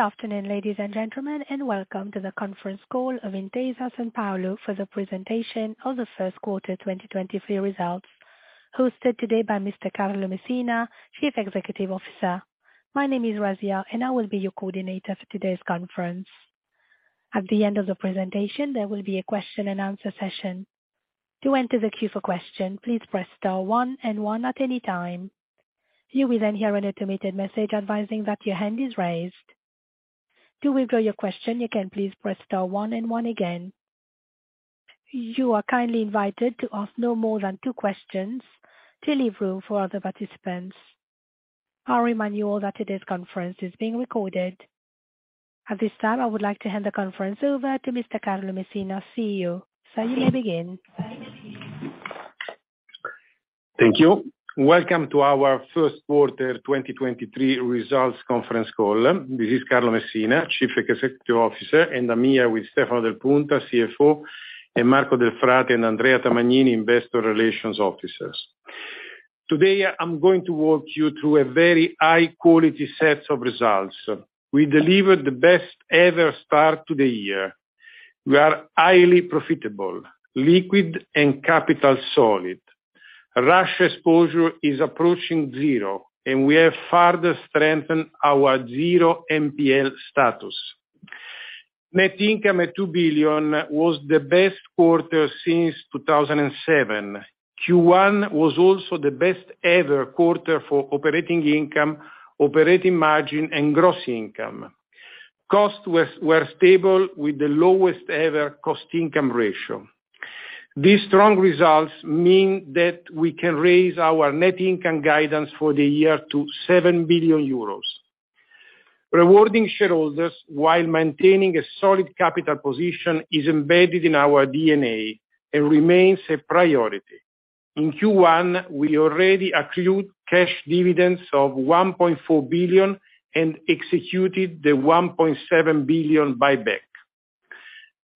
Good afternoon, ladies and gentlemen, and welcome to the conference call of Intesa Sanpaolo for the presentation of the Q1 2023 results, hosted today by Mr. Carlo Messina, Chief Executive Officer. My name is Razia, and I will be your coordinator for today's conference. At the end of the presentation, there will be a question and answer session. To enter the queue for question, please press star one and one at any time. You will then hear an automated message advising that your hand is raised. To withdraw your question, you can please press star one and one again. You are kindly invited to ask no more than two questions to leave room for other participants. I'll remind you all that today's conference is being recorded. At this time, I would like to hand the conference over to Mr. Carlo Messina, CEO. Sir, you may begin. Thank you. Welcome to our Q1 2023 Results Conference Call. This is Carlo Messina, Chief Executive Officer, and I'm here with Stefano Del Punta, CFO, and Marco Delfrate and Andrea Tamagnini, investor relations officers. Today, I'm going to walk you through a very high quality sets of results. We delivered the best ever start to the year. We are highly profitable, liquid and capital solid. Rush exposure is approaching zero, and we have further strengthened our zero NPL status. Net income at 2 billion was the best quarter since 2007. Q1 was also the best ever quarter for operating income, operating margin and gross income. Costs were stable with the lowest ever cost/income ratio. These strong results mean that we can raise our net income guidance for the year to 7 billion euros. Rewarding shareholders while maintaining a solid capital position is embedded in our DNA and remains a priority. In Q1, we already accrued cash dividends of 1.4 billion and executed the 1.7 billion buyback.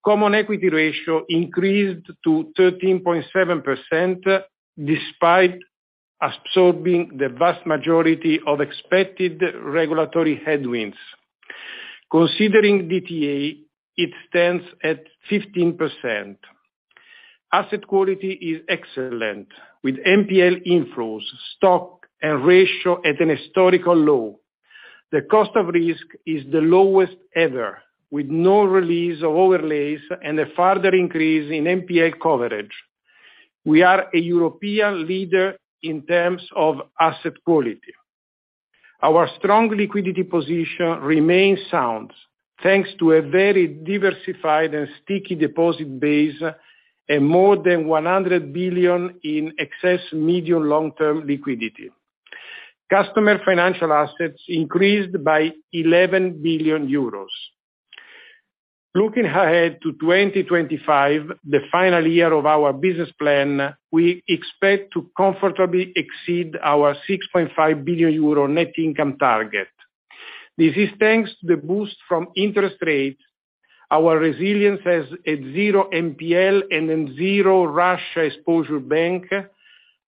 Common equity ratio increased to 13.7% despite absorbing the vast majority of expected regulatory headwinds. Considering DTA, it stands at 15%. Asset quality is excellent, with NPL inflows, stock and ratio at an historical low. The cost of risk is the lowest ever, with no release of overlays and a further increase in NPL coverage. We are a European leader in terms of asset quality. Our strong liquidity position remains sound thanks to a very diversified and sticky deposit base and more than 100 billion in excess medium long-term liquidity. Customer financial assets increased by 11 billion euros. Looking ahead to 2025, the final year of our business plan, we expect to comfortably exceed our 6.5 billion euro net income target. This is thanks to the boost from interest rates, our resilience as a zero NPL and a zero Russia exposure bank,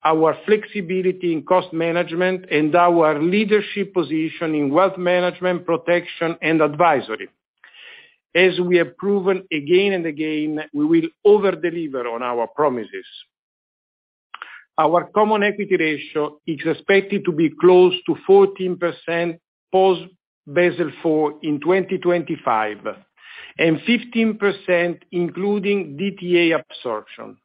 our flexibility in cost management, and our leadership position in wealth management, protection and advisory. As we have proven again and again, we will over-deliver on our promises. Our Common Equity Ratio is expected to be close to 14% post Basel IV in 2025, and 15 including DTA absorption.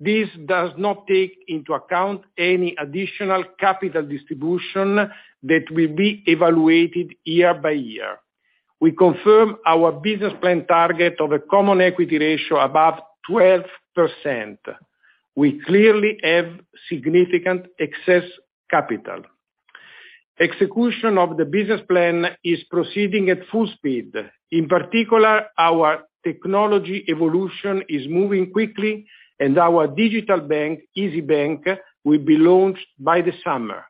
This does not take into account any additional capital distribution that will be evaluated year by year. We confirm our business plan target of a Common Equity Ratio above 12%. We clearly have significant excess capital. Execution of the business plan is proceeding at full speed. In particular, our technology evolution is moving quickly and our digital bank, Isybank, will be launched by the summer.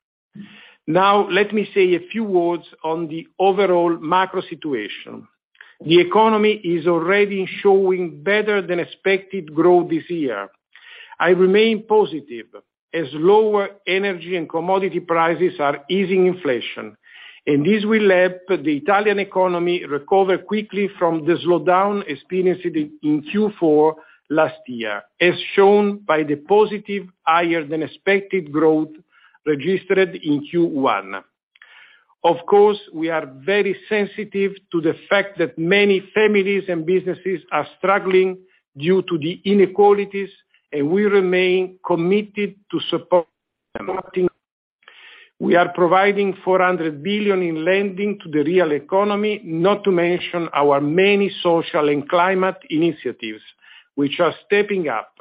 Let me say a few words on the overall macro situation. The economy is already showing better than expected growth this year. I remain positive as lower energy and commodity prices are easing inflation, and this will help the Italian economy recover quickly from the slowdown experienced in Q4 last year, as shown by the positive, higher than expected growth registered in Q1. We are very sensitive to the fact that many families and businesses are struggling due to the inequalities, and we remain committed to support them. We are providing 400 billion in lending to the real economy, not to mention our many social and climate initiatives, which are stepping up.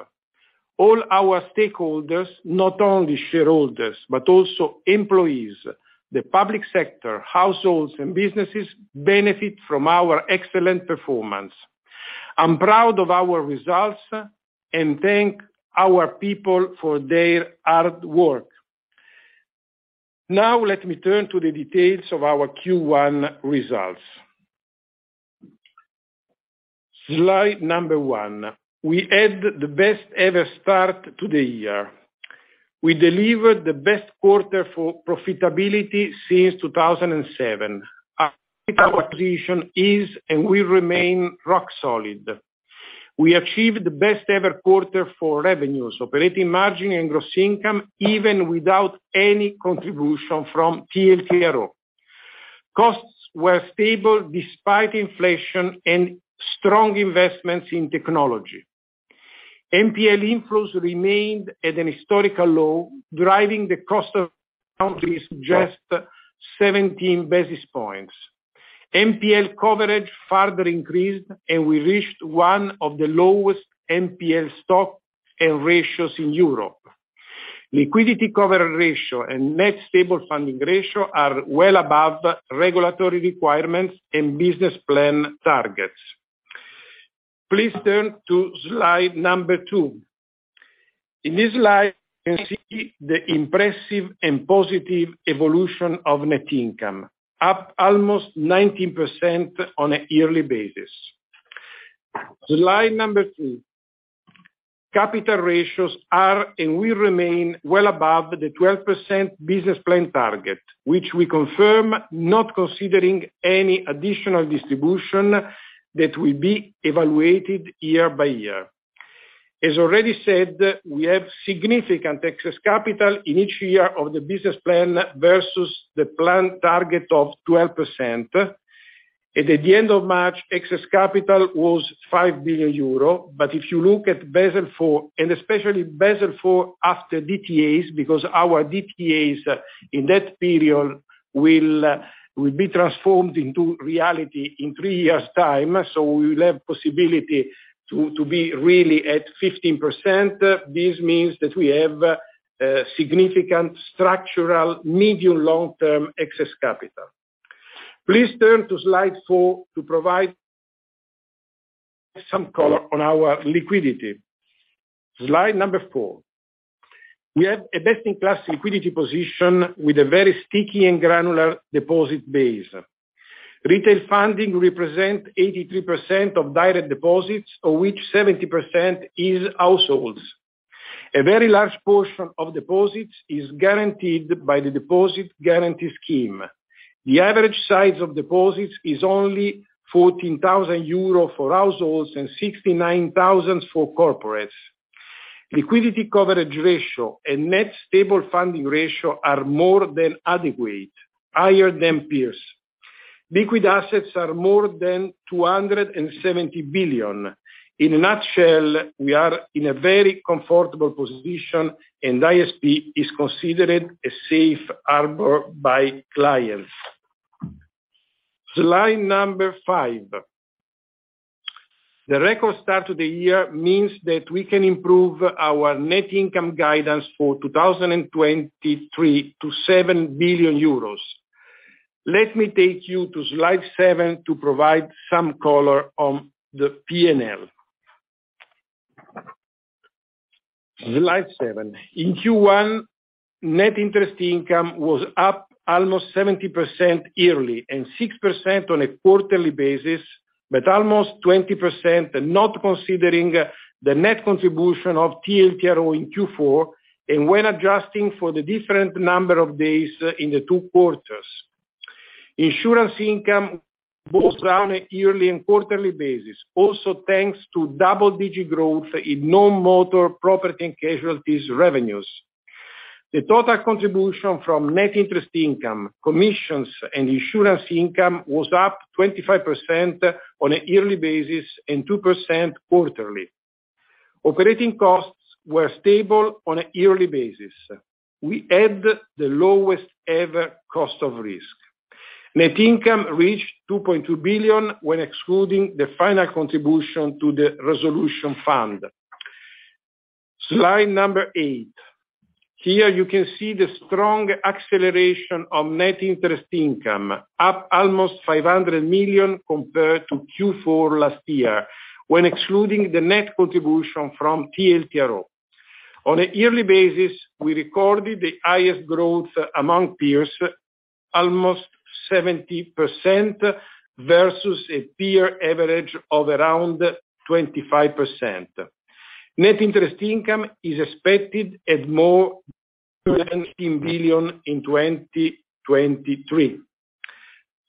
All our stakeholders, not only shareholders, but also employees, the public sector, households and businesses benefit from our excellent performance. I'm proud of our results and thank our people for their hard work. Now let me turn to the details of our Q1 results. Slide number one. We had the best ever start to the year. We delivered the best quarter for profitability since 2007. Our position is, and will remain, rock solid. We achieved the best ever quarter for revenues, operating margin and gross income, even without any contribution from TLTRO. Costs were stable despite inflation and strong investments in technology. NPL inflows remained at an historical low, driving the cost of 17 basis points. NPL coverage further increased, and we reached one of the lowest NPL stock and ratios in Europe. Liquidity coverage ratio and net stable funding ratio are well above regulatory requirements and business plan targets. Please turn to Slide number 2. In this slide, you can see the impressive and positive evolution of net income, up almost 19% on a yearly basis. Slide number 3. Capital ratios are and will remain well above the 12% business plan target, which we confirm not considering any additional distribution that will be evaluated year by year. As already said, we have significant excess capital in each year of the business plan versus the planned target of 12%. At the end of March, excess capital was 5 billion euro. If you look at Basel IV, and especially Basel IV after DTAs, because our DTAs in that period will be transformed into reality in three years' time, so we will have possibility to be really at 15%. This means that we have significant structural medium long-term excess capital. Please turn to slide 4 to provide some color on our liquidity. Slide number 4. We have a best-in-class liquidity position with a very sticky and granular deposit base. Retail funding represent 83% of direct deposits, of which 70% is households. A very large portion of deposits is guaranteed by the Deposit Guarantee Scheme. The average size of deposits is only 14,000 euro for households and 69,000 for corporates. Liquidity Coverage Ratio and Net Stable Funding Ratio are more than adequate, higher than peers. Liquid assets are more than 270 billion. In a nutshell, we are in a very comfortable position, and ISP is considered a safe harbor by clients. Slide number 5. The record start to the year means that we can improve our net income guidance for 2023 to 7 billion euros. Let me take you to Slide 7 to provide some color on the P&L. Slide 7. In Q1, net interest income was up almost 70% year-over-year and 6% on a quarter-over-quarter basis, but almost 20% not considering the net contribution of TLTRO in Q4 and when adjusting for the different number of days in the two quarters. Insurance income goes down a year-over-year and quarter-over-quarter basis, also thanks to double-digit growth in non-motor property and casualties revenues. The total contribution from net interest income, commissions, and insurance income was up 25% on a year-over-year basis and 2% quarter-over-quarter. Operating costs were stable on a year-over-year basis. We had the lowest ever cost of risk. Net income reached 2.2 billion when excluding the final contribution to the resolution fund. Slide number 8. Here you can see the strong acceleration of net interest income, up almost 500 million compared to Q4 last year when excluding the net contribution from TLTRO. On a year-over-year basis, we recorded the highest growth among peers, almost 70% versus a peer average of around 25%. Net interest income is expected at more than 18 billion in 2023.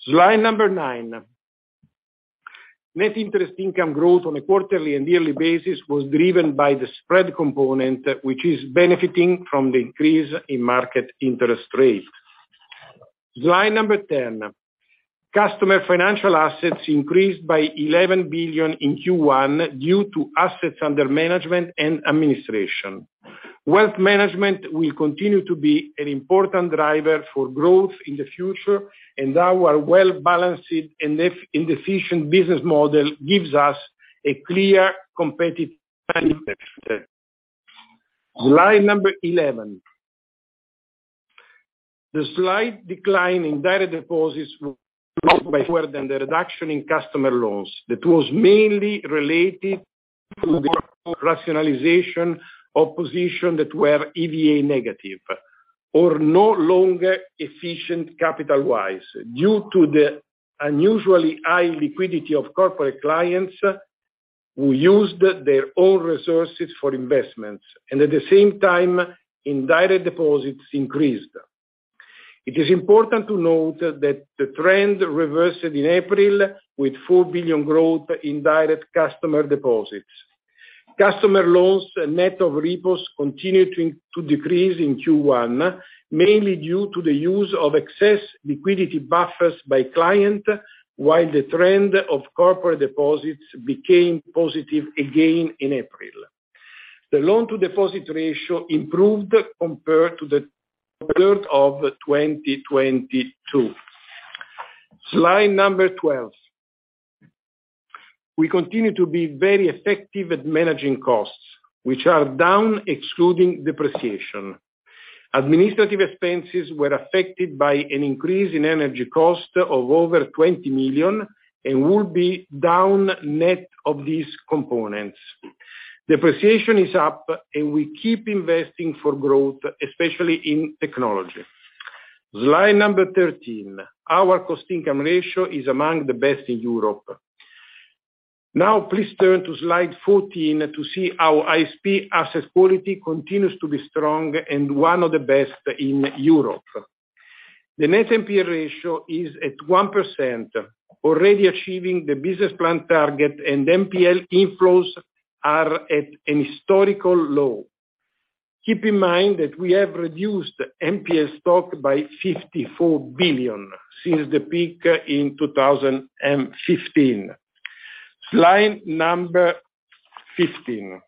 Slide number 9. Net interest income growth on a quarter-over-quarter and year-over-year basis was driven by the spread component, which is benefiting from the increase in market interest rates. Slide number 10. Customer financial assets increased by 11 billion in Q1 due to assets under management and administration. Wealth management will continue to be an important driver for growth in the future, our well-balanced and efficient business model gives us a clear competitive advantage. Slide number 11. The slight decline in direct deposits was by further than the reduction in customer loans. That was mainly related to the rationalization of position that were EVA negative or no longer efficient capital-wise due to the unusually high liquidity of corporate clients who used their own resources for investments and at the same time, indirect deposits increased. It is important to note that the trend reversed in April with 4 billion growth in direct customer deposits. Customer loans net of repos continued to decrease in Q1, mainly due to the use of excess liquidity buffers by client, while the trend of corporate deposits became positive again in April. The loan-to-deposit ratio improved compared to the third of 2022. Slide number 12. We continue to be very effective at managing costs, which are down excluding depreciation. Administrative expenses were affected by an increase in energy cost of over 20 million and will be down net of these components. Depreciation is up. We keep investing for growth, especially in technology. Slide number 13. Our cost/income ratio is among the best in Europe. Please turn to slide 14 to see how ISP asset quality continues to be strong and one of the best in Europe. The net NPL ratio is at 1%, already achieving the business plan target, and NPL inflows are at an historical low. Keep in mind that we have reduced NPL stock by 54 billion since the peak in 2015. Slide number 15.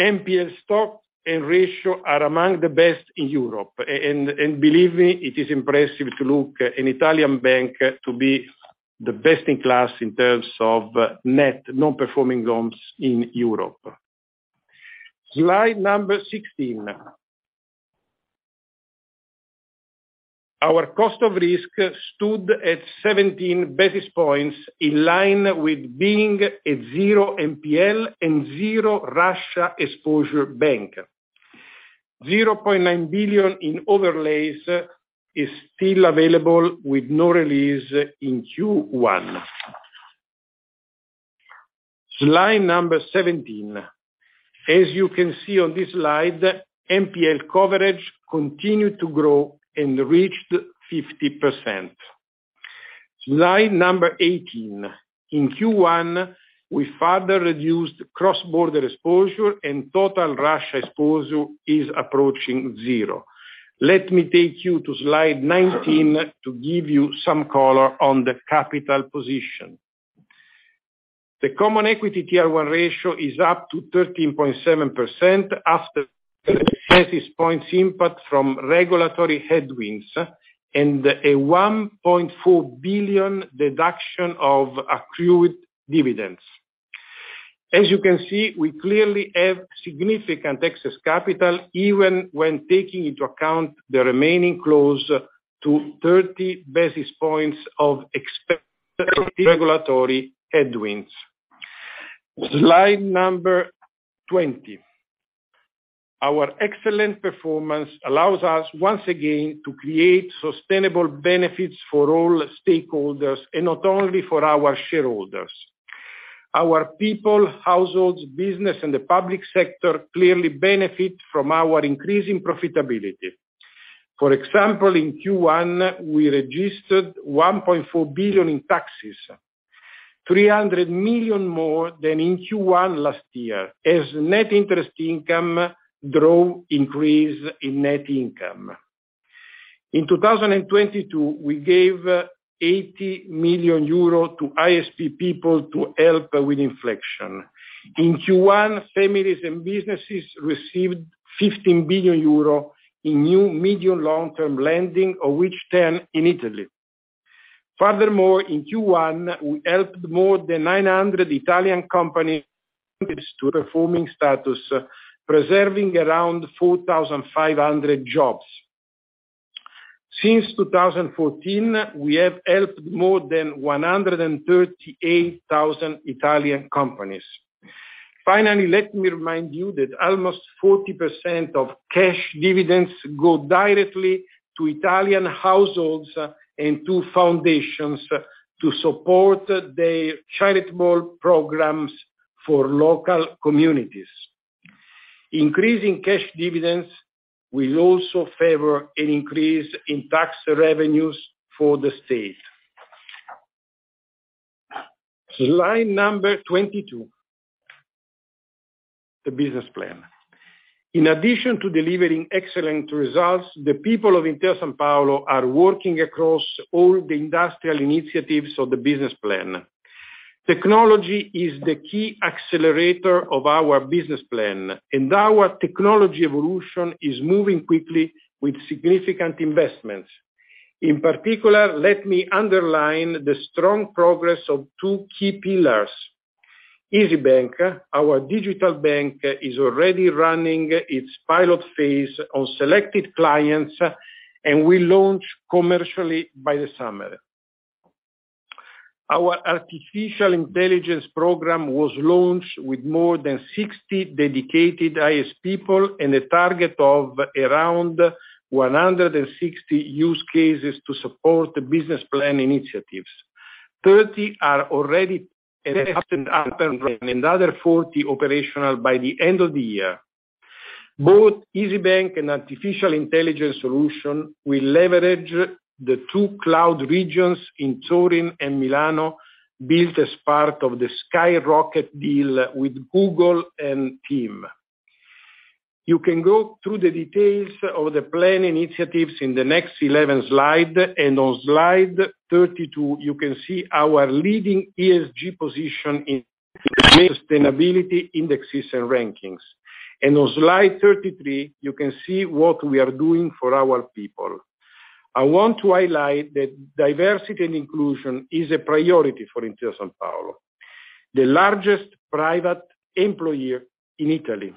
NPL stock and ratio are among the best in Europe. And believe me, it is impressive to look an Italian bank to be the best in class in terms of net non-performing loans in Europe. Slide number 16. Our cost of risk stood at 17 basis points in line with being a zero NPL and zero Russia exposure bank. 0.9 billion in overlays is still available with no release in Q1. Slide number 17. As you can see on this slide, NPL coverage continued to grow and reached 50%. Slide number 18. In Q1, we further reduced cross-border exposure and total Russia exposure is approaching zero. Let me take you to slide 19 to give you some color on the capital position. The Common Equity Tier 1 ratio is up to 13.7% after basis points input from regulatory headwinds and a 1.4 billion deduction of accrued dividends. As you can see, we clearly have significant excess capital even when taking into account the remaining close to 30 basis points of regulatory headwinds. Slide number 20. Our excellent performance allows us once again to create sustainable benefits for all stakeholders and not only for our shareholders. Our people, households, business, and the public sector clearly benefit from our increasing profitability. For example, in Q1, we registered 1.4 billion in taxes, 300 million more than in Q1 last year as net interest income drove increase in net income. In 2022, we gave 80 million euro to ISP people to help with inflation. In Q1, families and businesses received 15 billion euro in new medium-long-term lending, of which 10 billion in Italy. In Q1, we helped more than 900 Italian companies to performing status, preserving around 4,500 jobs. Since 2014, we have helped more than 138,000 Italian companies. Let me remind you that almost 40% of cash dividends go directly to Italian households and to foundations to support the charitable programs for local communities. Increasing cash dividends will also favor an increase in tax revenues for the state. Slide number 22, the business plan. In addition to delivering excellent results, the people of Intesa Sanpaolo are working across all the industrial initiatives of the business plan. Technology is the key accelerator of our business plan, and our technology evolution is moving quickly with significant investments. In particular, let me underline the strong progress of two key pillars. Isybank, our digital bank, is already running its pilot phase on selected clients. We launch commercially by the summer. Our artificial intelligence program was launched with more than 60 dedicated IS people and a target of around 160 use cases to support the business plan initiatives. 30 are already set up, and another 40 operational by the end of the year. Both Isybank and artificial intelligence solution will leverage the two cloud regions in Turin and Milan, built as part of the Skyrocket deal with Google and TIM. You can go through the details of the plan initiatives in the next 11 slide. On slide 32, you can see our leading ESG position in sustainability indexes and rankings. On slide 33, you can see what we are doing for our people. I want to highlight that diversity and inclusion is a priority for Intesa Sanpaolo, the largest private employer in Italy.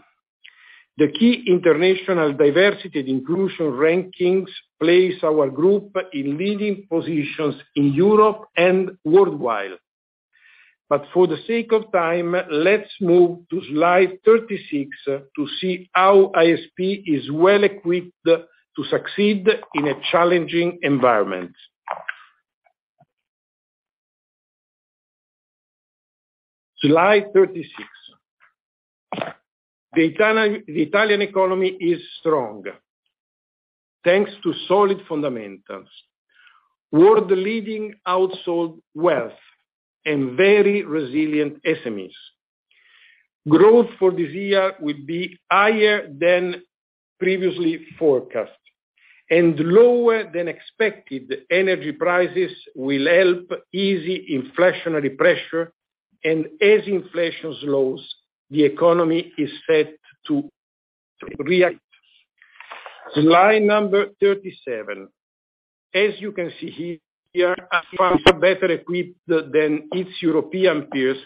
The key international diversity and inclusion rankings place our group in leading positions in Europe and worldwide. For the sake of time, let's move to slide 36 to see how ISP is well equipped to succeed in a challenging environment. Slide 36. The Italian economy is strong, thanks to solid fundamentals, world-leading household wealth and very resilient SMEs. Growth for this year will be higher than previously forecast, and lower than expected energy prices will help ease inflationary pressure, and as inflation slows, the economy is set to react. Slide number 37. As you can see here, Intesa is better equipped than its European peers,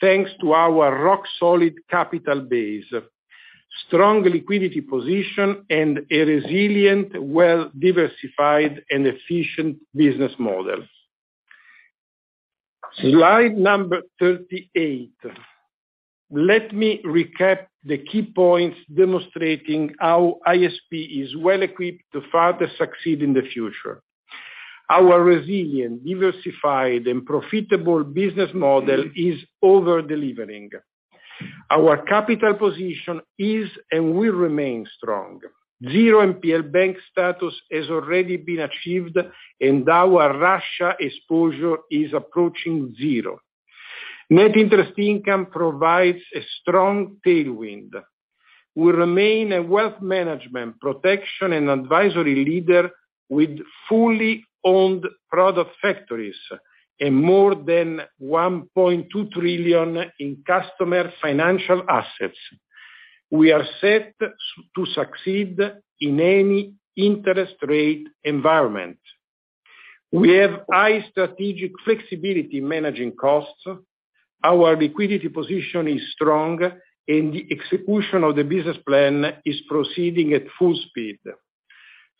thanks to our rock-solid capital base, strong liquidity position and a resilient, well-diversified and efficient business model. Slide number 38. Let me recap the key points demonstrating how ISP is well equipped to further succeed in the future. Our resilient, diversified and profitable business model is over-delivering. Our capital position is and will remain strong. Zero NPL bank status has already been achieved, and our Russia exposure is approaching zero. Net interest income provides a strong tailwind. We remain a wealth management protection and advisory leader with fully owned product factories and more than 1.2 trillion in customer financial assets. We are set to succeed in any interest rate environment. We have high strategic flexibility in managing costs, our liquidity position is strong, and the execution of the business plan is proceeding at full speed.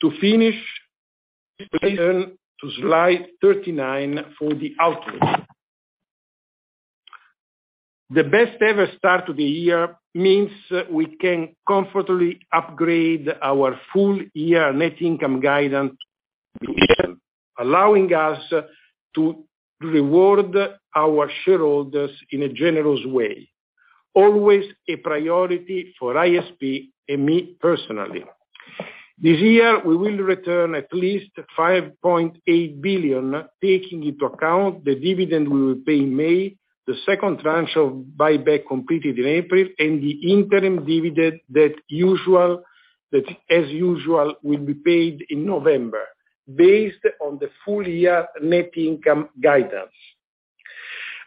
To finish, please turn to slide 39 for the outlook. The best ever start to the year means we can comfortably upgrade our full year net income guidance, allowing us to reward our shareholders in a generous way, always a priority for ISP and me personally. This year, we will return at least 5.8 billion, taking into account the dividend we will pay in May, the second tranche of buyback completed in April, and the interim dividend that as usual, will be paid in November based on the full year net income guidance.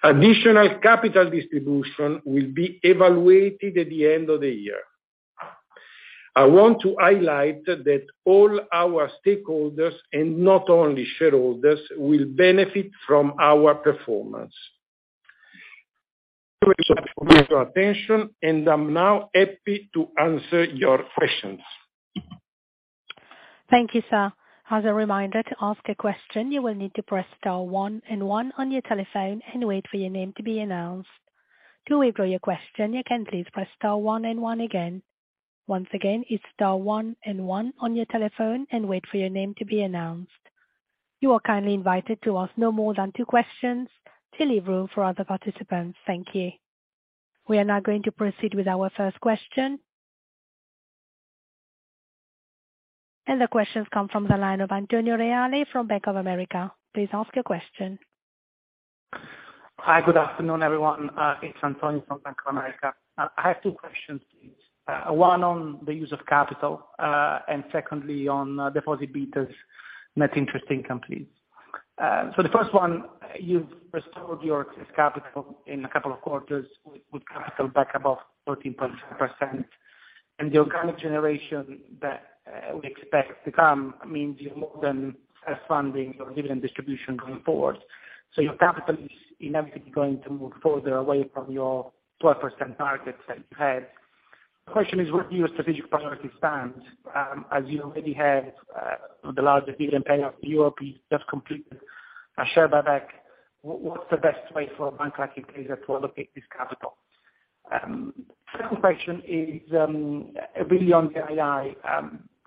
Additional capital distribution will be evaluated at the end of the year. I want to highlight that all our stakeholders, and not only shareholders, will benefit from our performance. Thank you for your attention, and I'm now happy to answer your questions. Thank you, sir. As a reminder, to ask a question, you will need to press star one and one on your telephone and wait for your name to be announced. To withdraw your question, you can please press star one and on one again. Once again, it's star one and one on your telephone and wait for your name to be announced. You are kindly invited to ask no more than two questions to leave room for other participants. Thank you. We are now going to proceed with our first question. The question comes from the line of Antonio Reale from Bank of America. Please ask your question. Hi. Good afternoon, everyone. It's Antonio from Bank of America. I have two questions, please. One on the use of capital, and secondly on deposit betas net interest income, please. The first one, you've restored your excess capital in a couple of quarters with capital back above 13.6%. The organic generation that we expect to come means you're more than funding your dividend distribution going forward. Your capital is inevitably going to move further away from your 12% targets that you had. The question is, where do your strategic priorities stand, as you already have the largest dividend payout in Europe, you've just completed a share buyback. What's the best way for a bank like Intesa to allocate this capital? Second question is really on NII.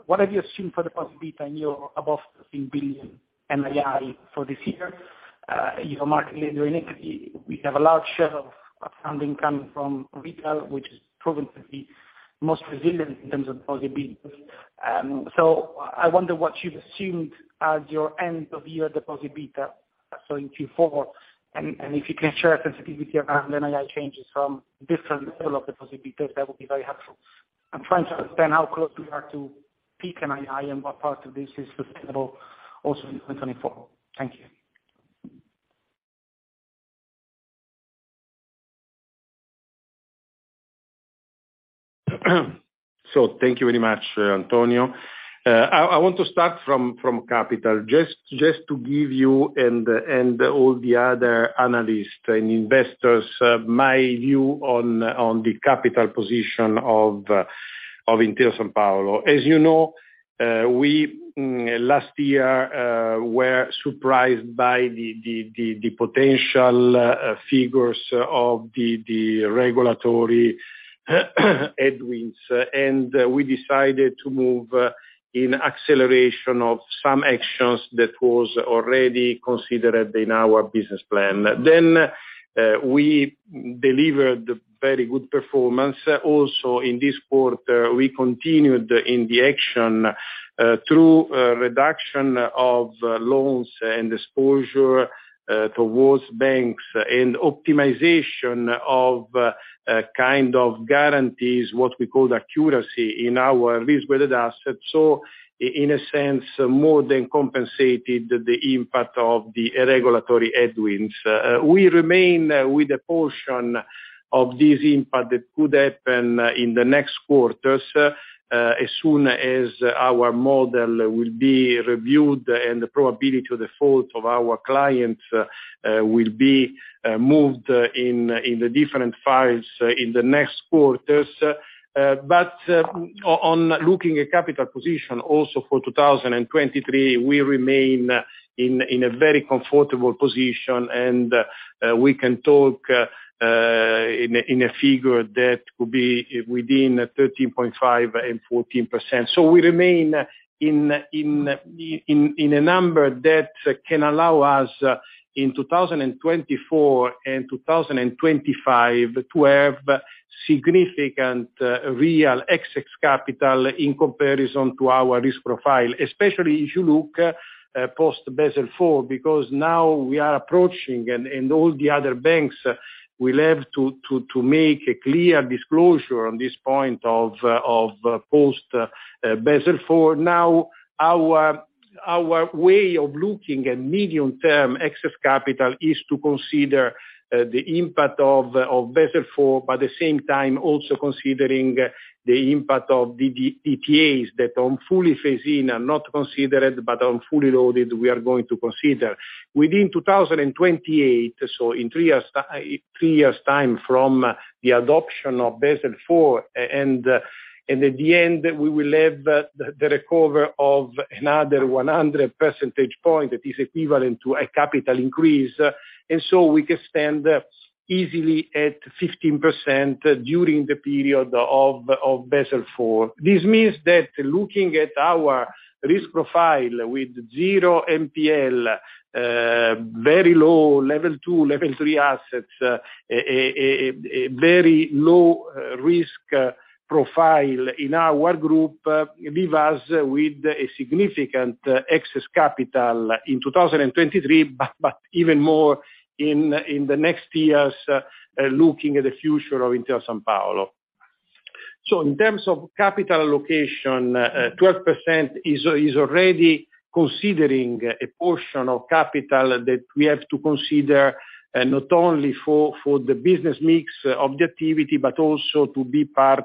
What have you assumed for deposit beta in your above 13 billion NII for this year? You are market leader in it. You have a large share of funding coming from retail, which has proven to be most resilient in terms of deposit betas. So I wonder what you've assumed as your end of year deposit beta, so in Q4. If you can share sensitivity around NII changes from different level of deposit betas, that would be very helpful. I'm trying to understand how close we are to peak NII and what part of this is sustainable also in 2024. Thank you. Thank you very much, Antonio. I want to start from capital, just to give you and all the other analysts and investors, my view on the capital position of Intesa Sanpaolo. As you know, we last year were surprised by the potential figures of the regulatory headwinds, and we decided to move in acceleration of some actions that was already considered in our business plan. We delivered very good performance. Also, in this quarter, we continued in the action through reduction of loans and exposure towards banks and optimization of kind of guarantees, what we call accuracy in our risk-weighted assets. In a sense, more than compensated the impact of the regulatory headwinds. We remain with a portion of this impact that could happen in the next quarters as soon as our model will be reviewed and the probability of default of our clients will be moved in the different files in the next quarters. On looking at capital position also for 2023, we remain in a very comfortable position, and we can talk in a figure that could be within 13.5% and 14%. We remain in a number that can allow us in 2024 and 2025 to have significant real excess capital in comparison to our risk profile, especially if you look post Basel IV, because now we are approaching, and all the other banks will have to make a clear disclosure on this point of post Basel IV. Our way of looking at medium term excess capital is to consider the impact of Basel IV, but at the same time also considering the impact of DTAs that on fully phase-in are not considered, but on fully loaded we are going to consider. Within 2028, in 3 years' time from the adoption of Basel IV, at the end, we will have the recover of another 100 percentage points that is equivalent to a capital increase. We can stand easily at 15% during the period of Basel IV. This means that looking at our risk profile with zero NPL, very low Level 2, Level 3 assets, a very low risk profile in our group leave us with a significant excess capital in 2023, even more in the next years, looking at the future of Intesa Sanpaolo. In terms of capital allocation, 12% is already considering a portion of capital that we have to consider, not only for the business mix of the activity, but also to be part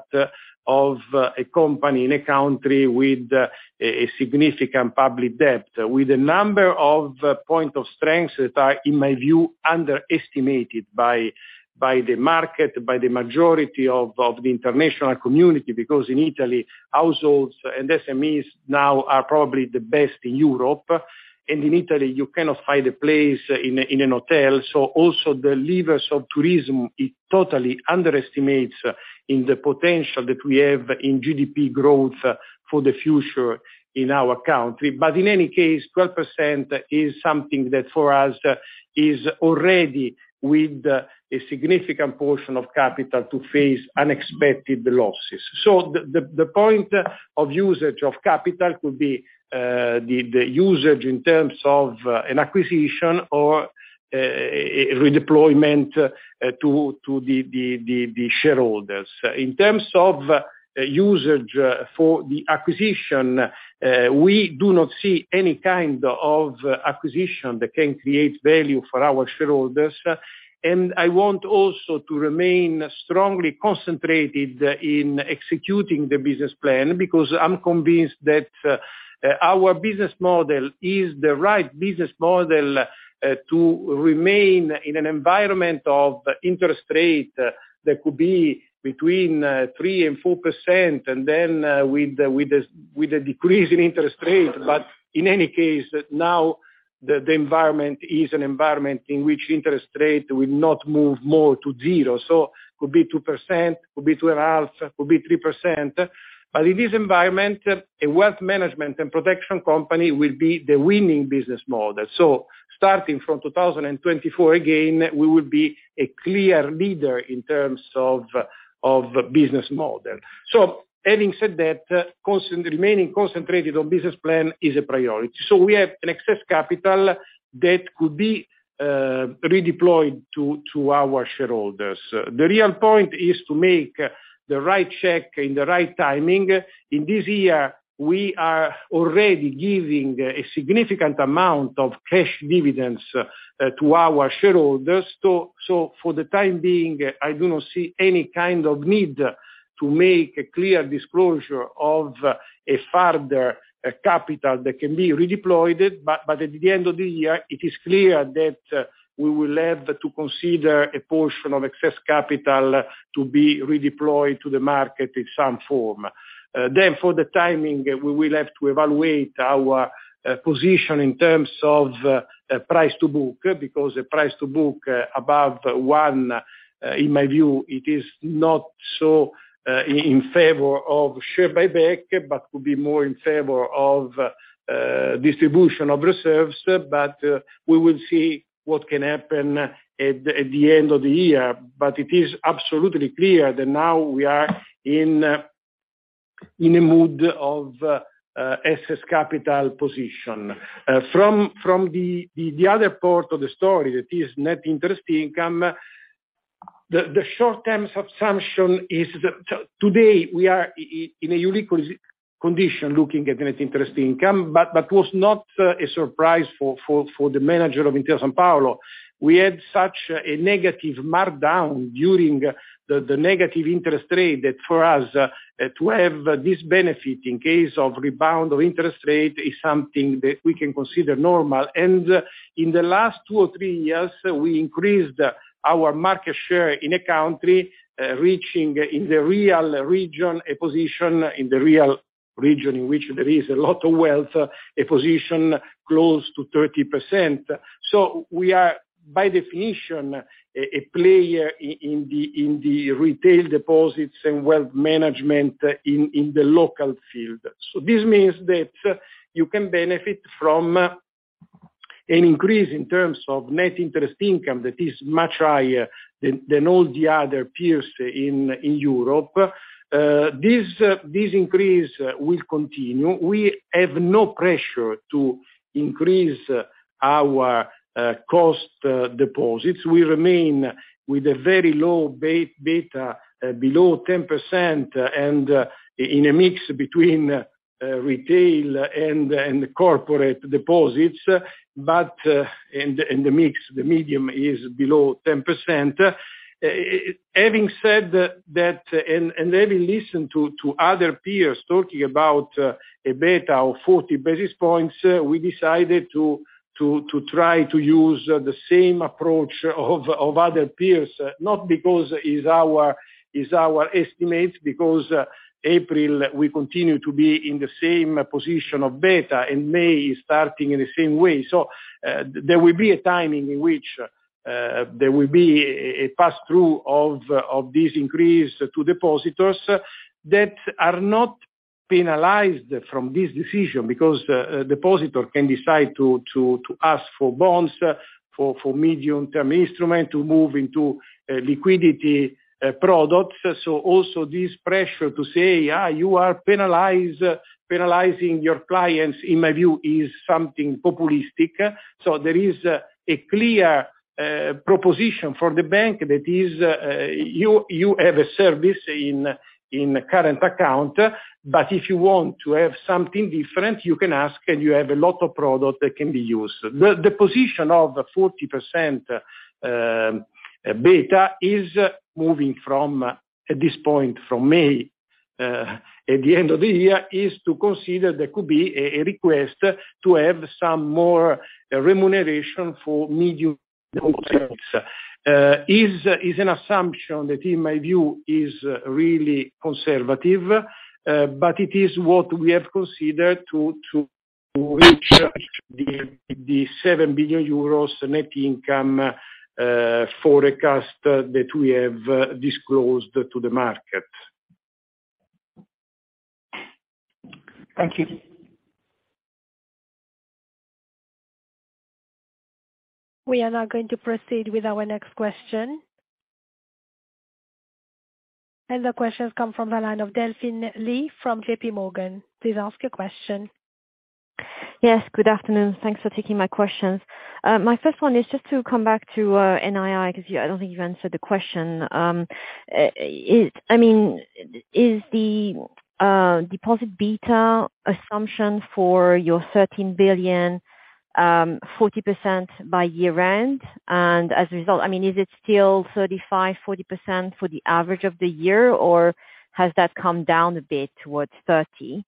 of a company in a country with a significant public debt. With a number of point of strengths that are, in my view, underestimated by the market, by the majority of the international community, because in Italy, households and SMEs now are probably the best in Europe. In Italy, you cannot find a place in a hotel, so also the levers of tourism, it totally underestimates in the potential that we have in GDP growth for the future in our country. In any case, 12% is something that for us is already with a significant portion of capital to face unexpected losses. The point of usage of capital could be the usage in terms of an acquisition or a redeployment to the shareholders. In terms of usage for the acquisition, we do not see any kind of acquisition that can create value for our shareholders. I want also to remain strongly concentrated in executing the business plan, because I'm convinced that our business model is the right business model to remain in an environment of interest rate that could be between 3% and 4%, and then with the decrease in interest rate. In any case, now the environment is an environment in which interest rate will not move more to 0. Could be 2%, could be 2.5%, could be 3%. In this environment, a wealth management and protection company will be the winning business model. Starting from 2024, again, we will be a clear leader in terms of business model. Having said that, remaining concentrated on business plan is a priority. We have an excess capital that could be redeployed to our shareholders. The real point is to make the right check in the right timing. In this year, we are already giving a significant amount of cash dividends to our shareholders. For the time being, I do not see any kind of need to make a clear disclosure of a further capital that can be redeployed. At the end of the year, it is clear that we will have to consider a portion of excess capital to be redeployed to the market in some form. For the timing, we will have to evaluate our position in terms of price to book, because the price to book above 1, in my view, it is not so in favor of share buyback, but could be more in favor of distribution of reserves, but we will see what can happen at the end of the year. It is absolutely clear that now we are in a mood of excess capital position. From the other part of the story that is net interest income, the short-term assumption is that today we are in a unique condition looking at net interest income. That was not a surprise for the manager of Intesa Sanpaolo. We had such a negative markdown during the negative interest rate that for us to have this benefit in case of rebound of interest rate is something that we can consider normal. In the last two or three years, we increased our market share in the country, reaching in the real region, a position in which there is a lot of wealth, a position close to 30%. We are by definition a player in the retail deposits and wealth management in the local field. This means that you can benefit from an increase in terms of net interest income that is much higher than all the other peers in Europe. This increase will continue. We have no pressure to increase our cost deposits. We remain with a very low beta, below 10% and in a mix between retail and corporate deposits. In the mix, the medium is below 10%. Having said that, and having listened to other peers talking about a beta of 40 basis points, we decided to try to use the same approach of other peers, not because is our estimate, because April we continue to be in the same position of beta, and May is starting in the same way. There will be a timing in which, there will be a pass-through of this increase to depositors that are not penalized from this decision because, a depositor can decide to ask for bonds, for medium-term instrument to move into, liquidity, products. Also this pressure to say, "Yeah, you are penalizing your clients," in my view, is something populistic. There is a clear, proposition for the bank that is, you have a service in current account, but if you want to have something different, you can ask, and you have a lot of product that can be used. The position of 40% beta is moving from, at this point from May, at the end of the year, is to consider there could be a request to have some more remuneration for medium. Is an assumption that in my view is really conservative, but it is what we have considered to reach the 7 billion euros net income forecast that we have disclosed to the market. Thank you. We are now going to proceed with our next question. The question comes from the line of Delphine Lee from JP Morgan. Please ask your question. Yes, good afternoon. Thanks for taking my questions. My first one is just to come back to NII, because I don't think you answered the question. I mean, is the deposit beta assumption for your 13 billion 40% by year-end? As a result, I mean, is it still 35%-40% for the average of the year, or has that come down a bit towards 30%?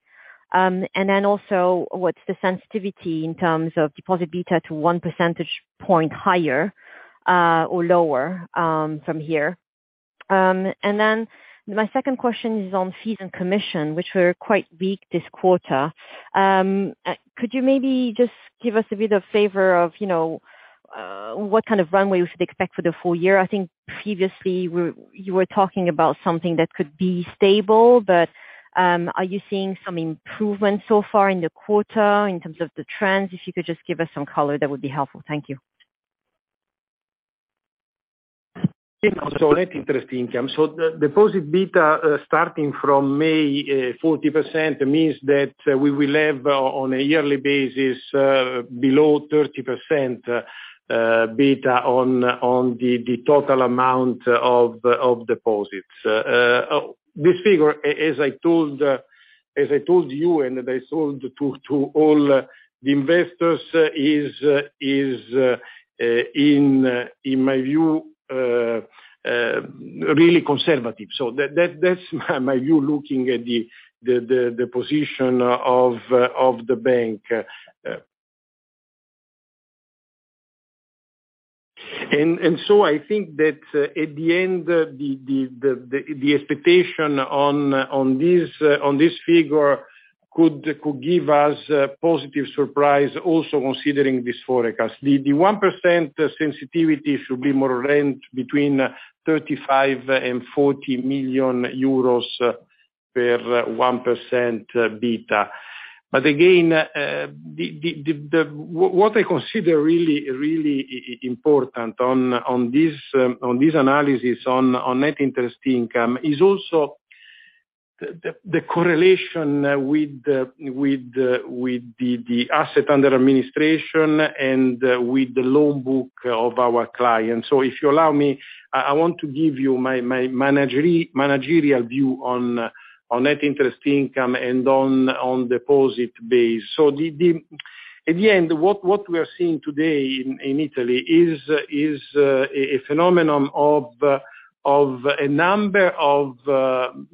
Also, what's the sensitivity in terms of deposit beta to 1 percentage point higher or lower from here? My second question is on fees and commission, which were quite weak this quarter. Could you maybe just give us a bit of favor of, you know, what kind of runway we should expect for the full year? I think previously you were talking about something that could be stable, but are you seeing some improvement so far in the quarter in terms of the trends? If you could just give us some color, that would be helpful. Thank you. Net interest income. The deposit beta, starting from May, 40% means that we will have on a yearly basis, below 30% beta on the total amount of deposits. This figure, as I told you and I told to all the investors is in my view really conservative. That's my view looking at the position of the bank. I think that at the end, the expectation on this figure could give us a positive surprise also considering this forecast. The 1% sensitivity should be more range between 35 and 40 million euros per 1% beta. Again, what I consider really important on this analysis on net interest income is also the correlation with the asset under administration and with the loan book of our clients. If you allow me, I want to give you my managerial view on net interest income and on deposit base. At the end, what we are seeing today in Italy is a phenomenon of a number of corporate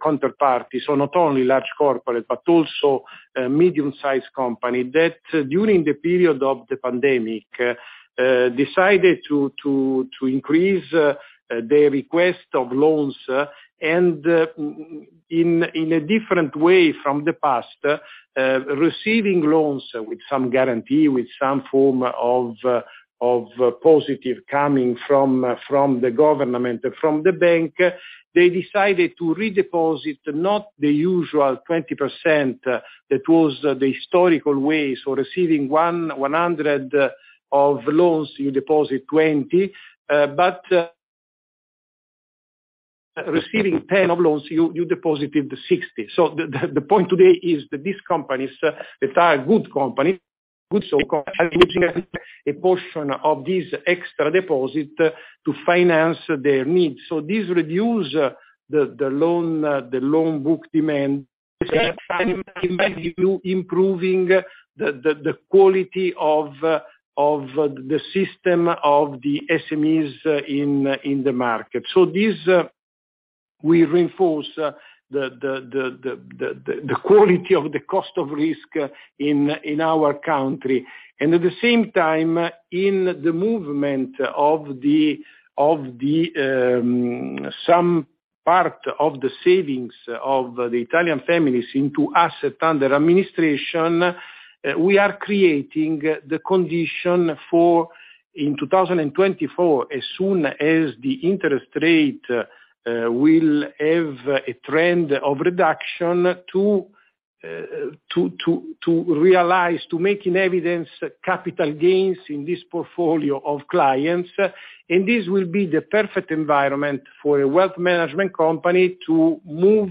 counterparties. Not only large corporate, but also medium-sized company that during the period of the pandemic decided to increase their request of loans and in a different way from the past, receiving loans with some guarantee, with some form of positive coming from the government, from the bank. They decided to redeposit, not the usual 20%, that was the historical way. Receiving 100 of loans, you deposit 20. Receiving 10 of loans, you deposited the 60. The point today is that these companies, that are good companies, A portion of this extra deposit to finance their needs. This reduce the loan book demand Improving the quality of the system of the SMEs in the market. This will reinforce the quality of the cost of risk in our country. At the same time, in the movement of the some part of the savings of the Italian families into asset under administration, we are creating the condition for in 2024, as soon as the interest rate will have a trend of reduction to realize, to make in evidence capital gains in this portfolio of clients. This will be the perfect environment for a wealth management company to move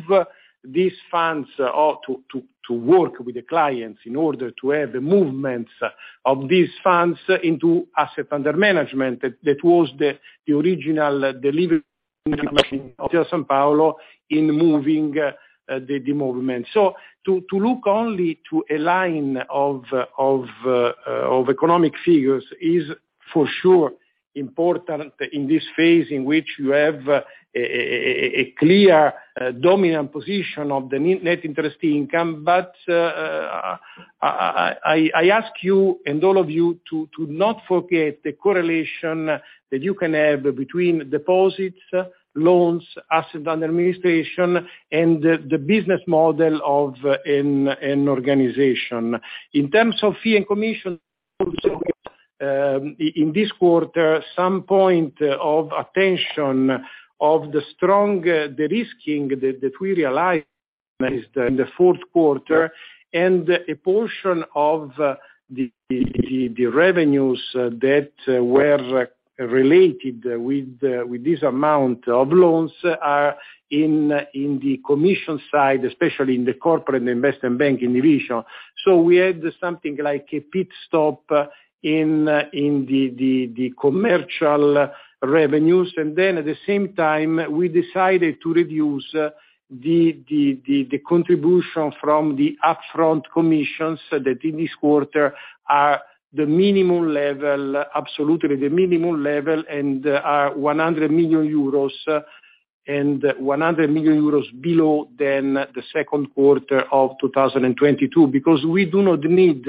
these funds or to work with the clients in order to have the movements of these funds into asset under management. That was the original delivery of Sanpaolo in moving the movement. To look only to a line of economic figures is for sure important in this phase in which you have a clear dominant position of the Net Interest Income. I ask you and all of you to not forget the correlation that you can have between deposits, loans, assets under administration and the business model of an organization. In terms of fee and commission, in this quarter, some point of attention of the strong derisking that we realized in the Q4 and a portion of the revenues that were related with this amount of loans are in the commission side, especially in the Corporate & Investment Banking Division. We had something like a pit stop in the commercial revenues. At the same time, we decided to reduce the contribution from the upfront commissions that in this quarter are the minimum level, absolutely the minimum level, and are 100 million euros, and 100 million euros below than the Q2 of 2022. We do not need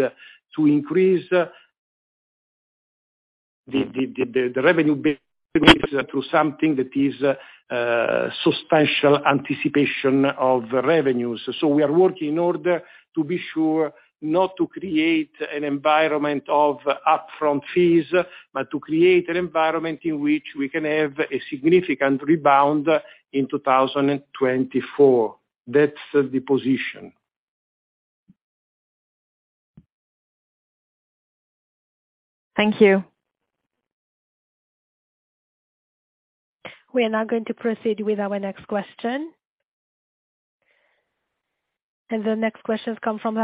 to increase the revenue to something that is substantial anticipation of revenues. We are working in order to be sure not to create an environment of upfront fees, but to create an environment in which we can have a significant rebound in 2024. That's the position. Thank you. We are now going to proceed with our next question. The next question comes from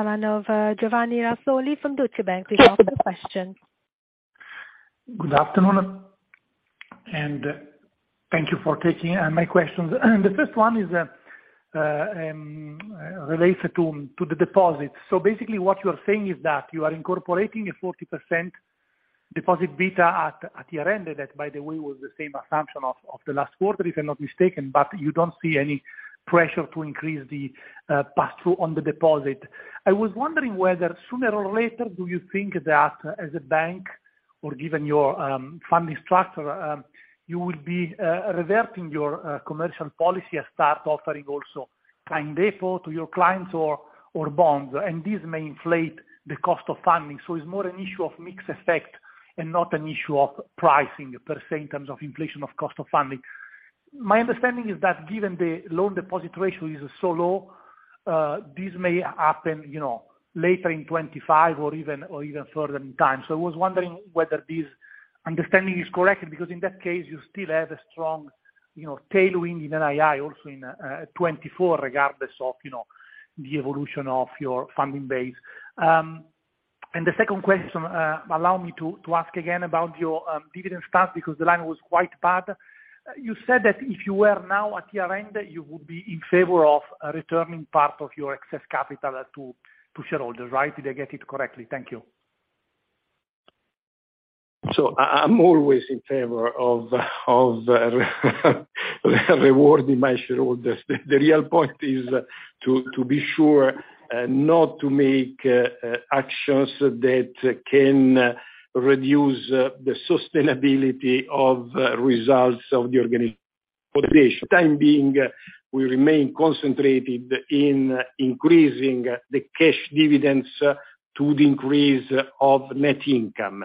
Giovanni Razzoli from Deutsche Bank. Please ask your question. Good afternoon, thank you for taking my questions. The first one is related to the deposits. Basically what you are saying is that you are incorporating a 40% deposit beta at year-end. That, by the way, was the same assumption of the last quarter, if I'm not mistaken, but you don't see any pressure to increase the pass through on the deposit. I was wondering whether sooner or later, do you think that as a bank or given your funding structure, you will be reverting your commercial policy and start offering also time default to your clients or bonds, and this may inflate the cost of funding. It's more an issue of mixed effect and not an issue of pricing per se in terms of inflation of cost of funding. My understanding is that given the loan-to-deposit ratio is so low, this may happen, you know, later in 2025 or even, or even further in time. I was wondering whether this understanding is correct, because in that case, you still have a strong, you know, tailwind in NII also in 2024 regardless of, you know, the evolution of your funding base. The second question, allow me to ask again about your dividend start because the line was quite bad. You said that if you were now at year-end that you would be in favor of returning part of your excess capital to shareholders, right? Did I get it correctly? Thank you. I'm always in favor of rewarding my shareholders. The real point is to be sure not to make actions that can reduce the sustainability of results of the organization. Time being, we remain concentrated in increasing the cash dividends to the increase of net income.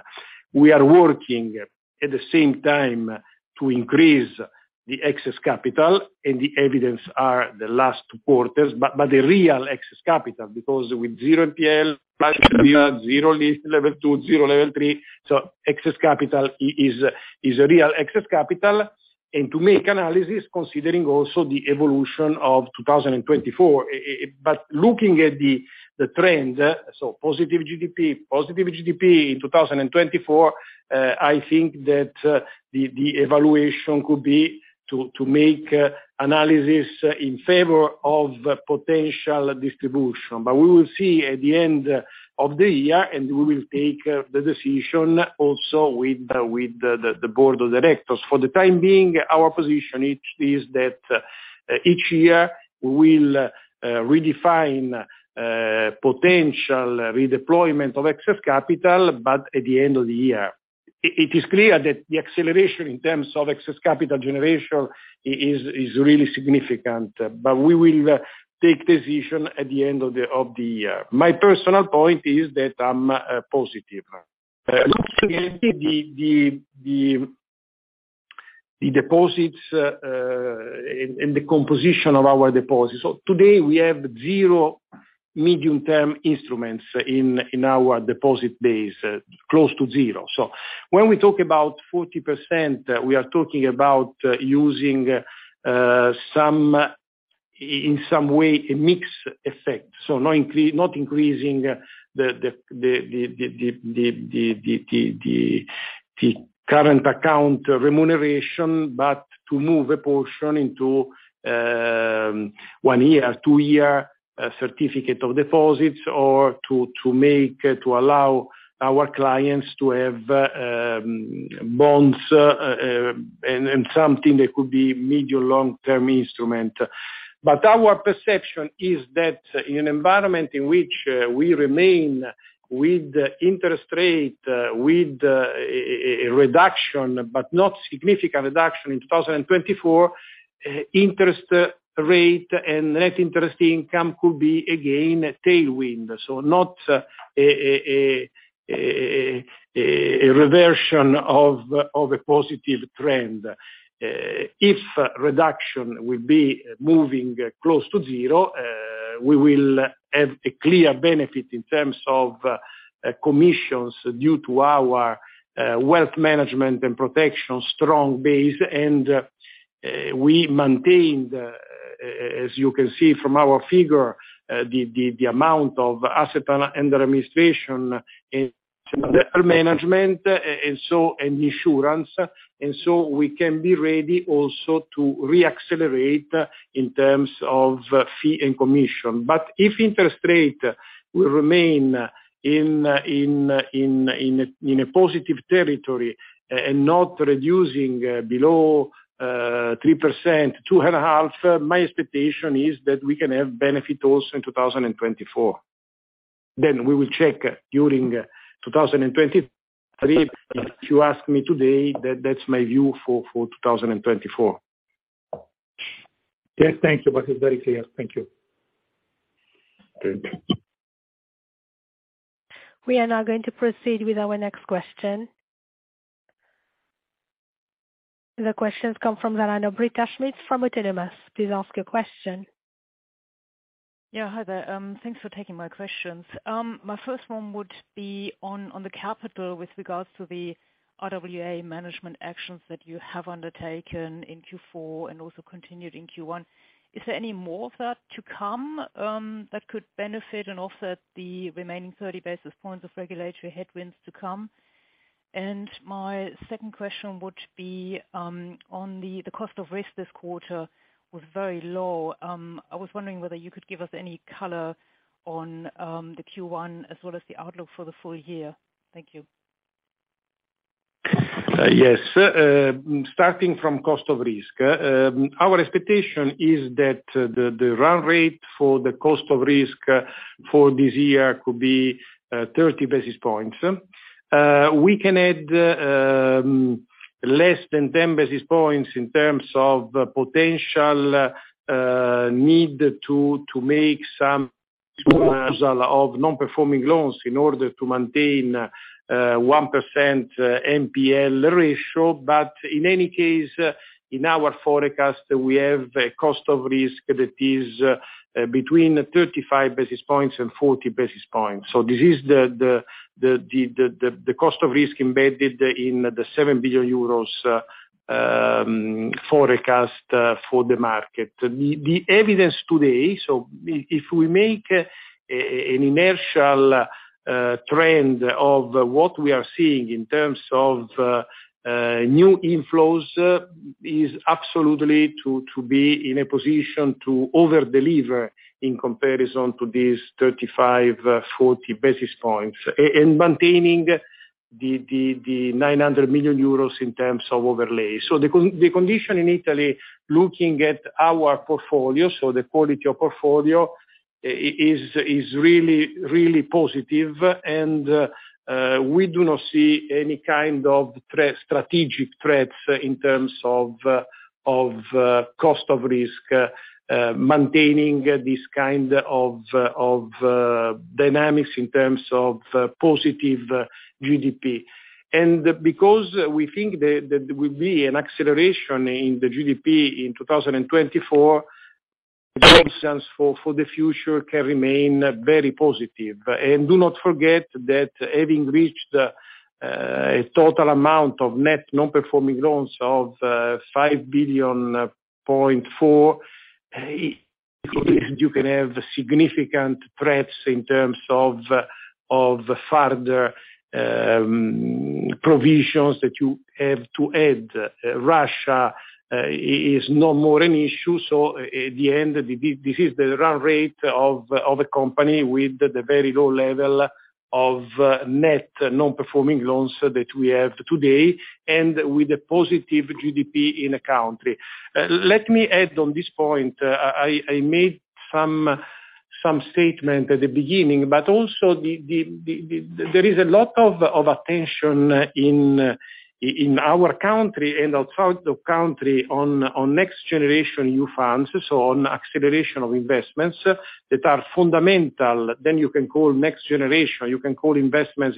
We are working at the same time to increase the excess capital, and the evidence are the last quarters, but the real excess capital because with zero NPL, zero risk, Level 2, zero Level 3, so excess capital is a real excess capital. To make analysis considering also the evolution of 2024. Looking at the trends, so positive GDP, positive GDP in 2024, I think that the evaluation could be to make analysis in favor of potential distribution. We will see at the end of the year, and we will take the decision also with the board of directors. For the time being, our position is that each year we'll redefine potential redeployment of excess capital, but at the end of the year. It is clear that the acceleration in terms of excess capital generation is really significant, but we will take decision at the end of the year. My personal point is that I'm positive. Looking at the deposits and the composition of our deposits. Today we have zero medium-term instruments in our deposit base, close to zero. When we talk about 40%, we are talking about using some, in some way, a mix effect. Not increasing the current account remuneration, but to move a portion into one year, two year certificate of deposits or to make, to allow our clients to have bonds and something that could be medium, long term instrument. Our perception is that in an environment in which we remain with interest rate, with a reduction but not significant reduction in 2024, interest rate and net interest income could be again a tailwind, so not a reversion of a positive trend. If reduction will be moving close to 0, we will have a clear benefit in terms of commissions due to our wealth management and protection strong base. We maintained, as you can see from our figure, the amount of asset under administration and management and so, and insurance. We can be ready also to re-accelerate in terms of fee and commission. If interest rate will remain in a positive territory and not reducing below 3%, 2.5%, my expectation is that we can have benefit also in 2024. We will check during 2023. If you ask me today, that's my view for 2024. Yes, thank you. That is very clear. Thank you. Good. We are now going to proceed with our next question. The question comes from Britta Schmidt from Autonomous Research. Please ask your question. Yeah. Hi there. Thanks for taking my questions. My first one would be on the capital with regards to the RWA management actions that you have undertaken in Q4 and also continued in Q1. Is there any more of that to come that could benefit and offset the remaining 30 basis points of regulatory headwinds to come? My second question would be on the cost of risk this quarter was very low. I was wondering whether you could give us any color on the Q1 as well as the outlook for the full year. Thank you. Yes. Starting from cost of risk. Our expectation is that the run rate for the cost of risk for this year could be 30 basis points. We can add less than 10 basis points in terms of potential need to make some of non-performing loans in order to maintain 1% NPL ratio. In any case, in our forecast, we have a cost of risk that is between 35 basis points and 40 basis points. This is the cost of risk embedded in the 7 billion euros forecast for the market. The evidence today, so if we make an inertial trend of what we are seeing in terms of new inflows is absolutely to be in a position to over-deliver in comparison to these 35, 40 basis points in maintaining the 900 million euros in terms of overlay. The condition in Italy, looking at our portfolio, so the quality of portfolio is really positive and we do not see any kind of threat, strategic threats in terms of cost of risk, maintaining this kind of dynamics in terms of positive GDP. Because we think that there will be an acceleration in the GDP in 2024, for the future can remain very positive. Do not forget that having reached a total amount of net non-performing loans of 5.4 billion, you can have significant threats in terms of further provisions that you have to add. Russia is no more an issue, in the end, this is the run rate of a company with the very low level of net non-performing loans that we have today and with a positive GDP in the country. Let me add on this point, I made some statement at the beginning, also there is a lot of attention in our country and outside the country on Next Generation EU new funds, on acceleration of investments that are fundamental. You can call Next Generation, you can call investments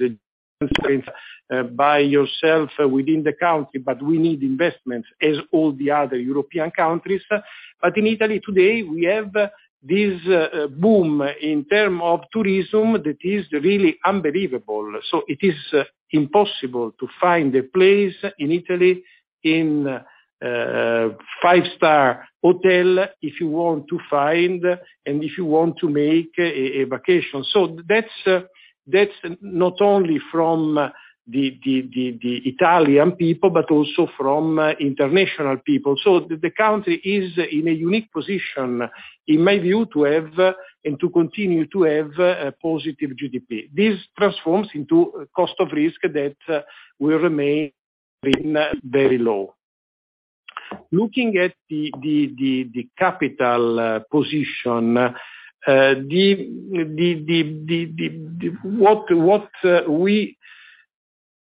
by yourself within the country. We need investments as all the other European countries. In Italy today, we have this boom in term of tourism that is really unbelievable. It is impossible to find a place in Italy in a five-star hotel if you want to find and if you want to make a vacation. That's not only from the Italian people, but also from international people. The country is in a unique position, in my view, to have and to continue to have a positive GDP. This transforms into cost of risk that will remain very low. Looking at the capital position, what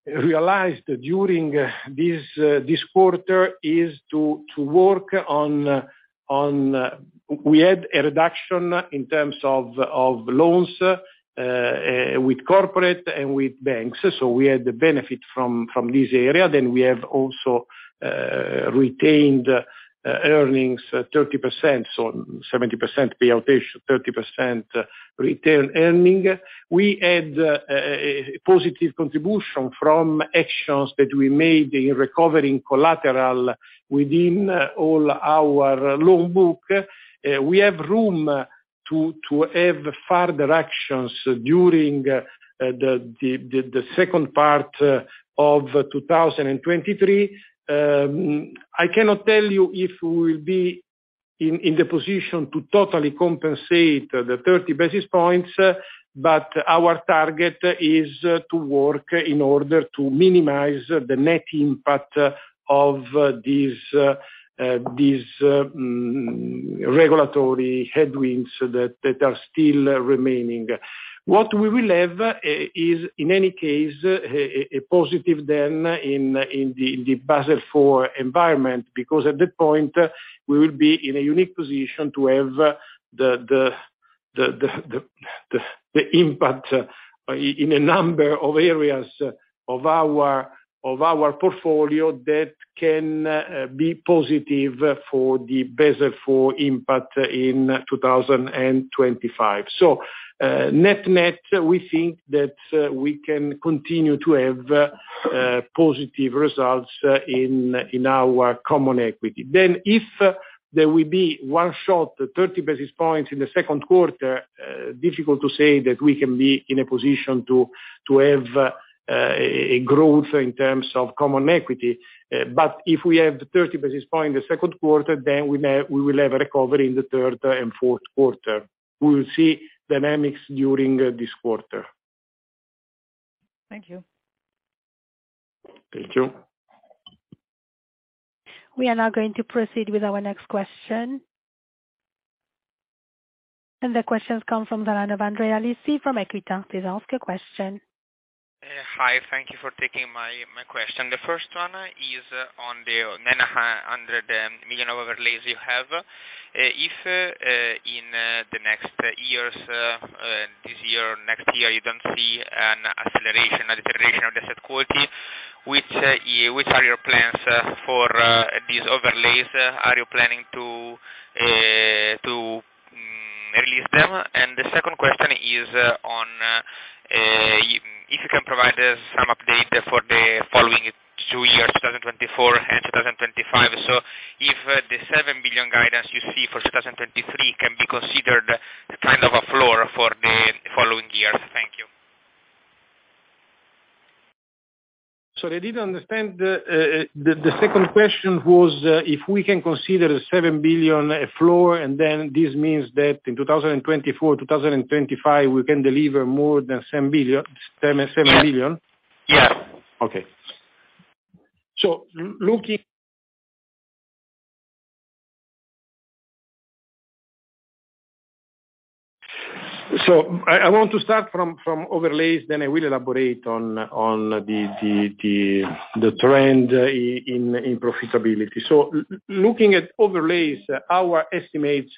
we realized during this quarter is to work on... We had a reduction in terms of loans, with corporate and with banks, we had the benefit from this area. We have also retained earnings 30%, 70% payout ratio, 30% retained earning. We had a positive contribution from actions that we made in recovering collateral within all our loan book. We have room to have further actions during the second part of 2023. I cannot tell you if we will be in the position to totally compensate the 30 basis points, our target is to work in order to minimize the net impact of these these regulatory headwinds that are still remaining. What we will have is, in any case, a positive then in the Basel IV environment, because at that point we will be in a unique position to have the impact in a number of areas of our portfolio that can be positive for the Basel IV impact in 2025. Net-net, we think that we can continue to have positive results in our common equity. If there will be one shot, the 30 basis points in the Q2, difficult to say that we can be in a position to have a growth in terms of common equity. If we have 30 basis point in the Q2, then we will have a recovery in the third and Q4. We will see dynamics during this quarter. Thank you. Thank you. We are now going to proceed with our next question. The question comes from the line of Andrea Lisi from Equita. Please ask your question. Hi. Thank you for taking my question. The first one is on the 900 million of overlays you have. If in the next years, this year or next year, you don't see an acceleration or deterioration of the asset quality, which are your plans for these overlays? Are you planning to release them? The second question is on if you can provide some update for the following two years, 2024 and 2025. If the 7 billion guidance you see for 2023 can be considered kind of a floor for the following years. Thank you. I didn't understand the second question was if we can consider the 7 billion a floor, and then this means that in 2024, 2025, we can deliver more than 7 billion? Yeah. Okay. Looking, I want to start from overlays, then I will elaborate on the trend in profitability. Looking at overlays, our estimates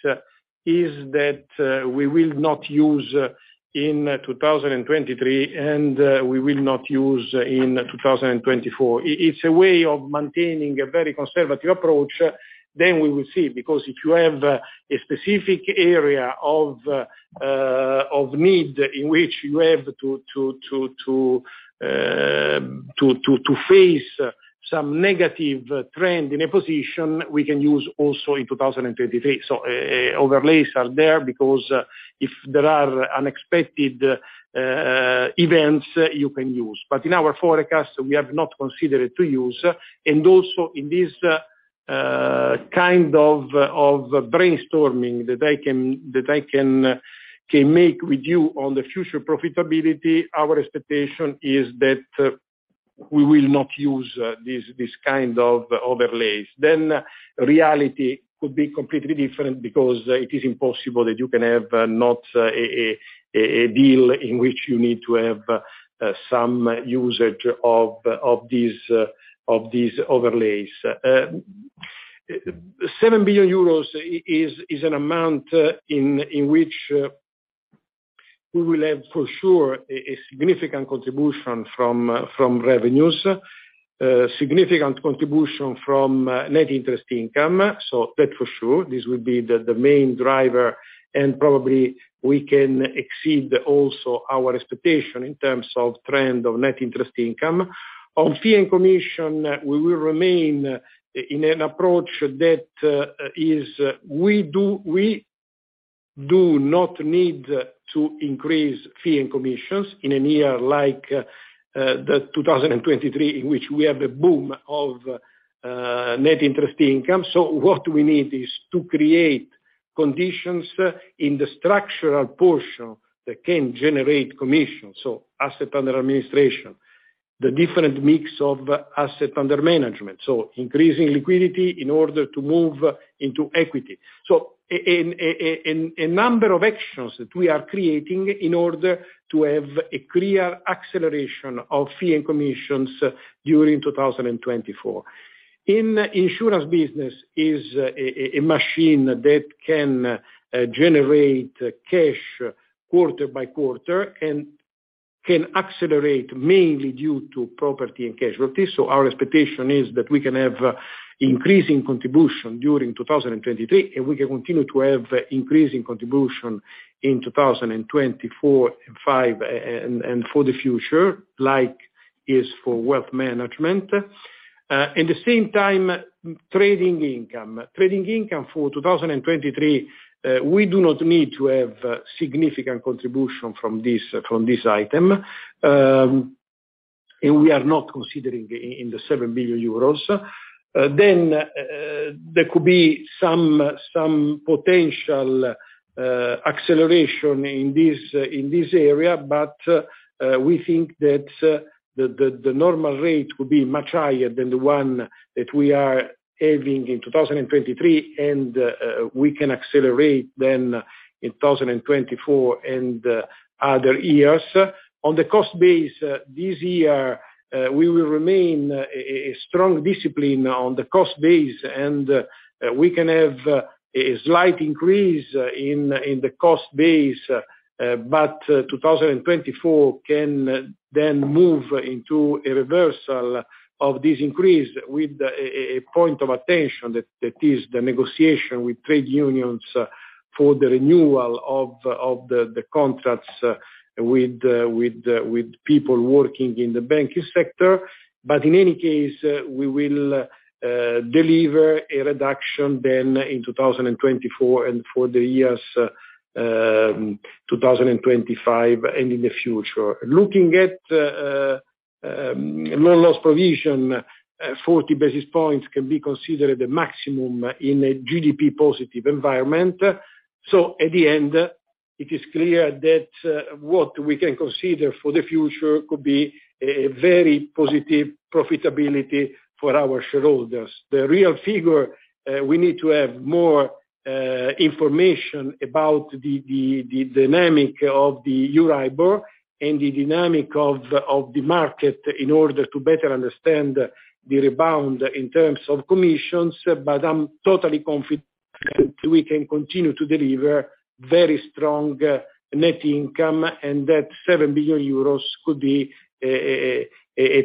is that we will not use in 2023, and we will not use in 2024. It's a way of maintaining a very conservative approach. We will see. If you have a specific area of need in which you have to face some negative trend in a position, we can use also in 2023. Overlays are there because if there are unexpected events, you can use. In our forecast, we have not considered to use. Also in this, kind of brainstorming that I can make with you on the future profitability, our expectation is that, we will not use, this kind of overlays. Reality could be completely different because, it is impossible that you can have, not, a deal in which you need to have, some usage of these, of these overlays. 7 billion euros is an amount, in which, we will have for sure a significant contribution from revenues, significant contribution from net interest income. That for sure, this will be the main driver, and probably we can exceed also our expectation in terms of trend of net interest income. On fee and commission, we will remain in an approach that is we do not need to increase fee and commissions in a year like the 2023, in which we have the boom of net interest income. What we need is to create conditions in the structural portion that can generate commission, so asset under administration. The different mix of asset under management, so increasing liquidity in order to move into equity. In a number of actions that we are creating in order to have a clear acceleration of fee and commissions during 2024. In insurance business is a machine that can generate cash quarter by quarter and can accelerate mainly due to property and casualties. Our expectation is that we can have increasing contribution during 2023, and we can continue to have increasing contribution in 2024 and 2025 and for the future, like is for wealth management. At the same time, trading income. Trading income for 2023, we do not need to have significant contribution from this, from this item. We are not considering in the 7 billion euros. There could be some potential acceleration in this area, but, we think that the normal rate will be much higher than the one that we are having in 2023 and we can accelerate then in 2024 and other years. On the cost base, this year, we will remain a strong discipline on the cost base, and we can have a slight increase in the cost base, but 2024 can then move into a reversal of this increase with a point of attention that is the negotiation with trade unions for the renewal of the contracts with people working in the banking sector. In any case, we will deliver a reduction then in 2024 and for the years 2025 and in the future. Looking at loan loss provision, 40 basis points can be considered the maximum in a GDP positive environment. At the end. It is clear that what we can consider for the future could be a very positive profitability for our shareholders. The real figure, we need to have more information about the dynamic of the Euribor and the dynamic of the market in order to better understand the rebound in terms of commissions, but I'm totally confident we can continue to deliver very strong net income and that 7 billion euros could be a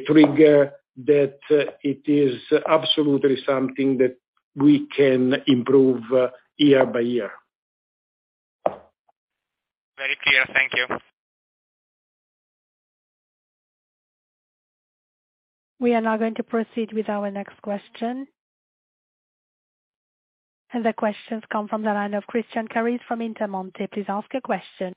trigger that it is absolutely something that we can improve year by year. Very clear. Thank you. We are now going to proceed with our next question. The question's come from the line of Christian Carrese from Intermonte. Please ask your question.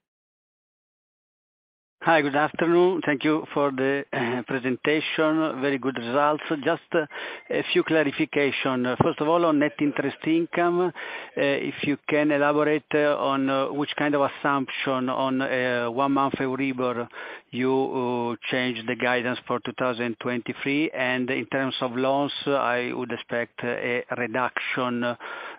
Hi, good afternoon. Thank you for the presentation. Very good results. Just a few clarification. First of all, on net interest income, if you can elaborate on which kind of assumption on one-month Euribor you changed the guidance for 2023. In terms of loans, I would expect a reduction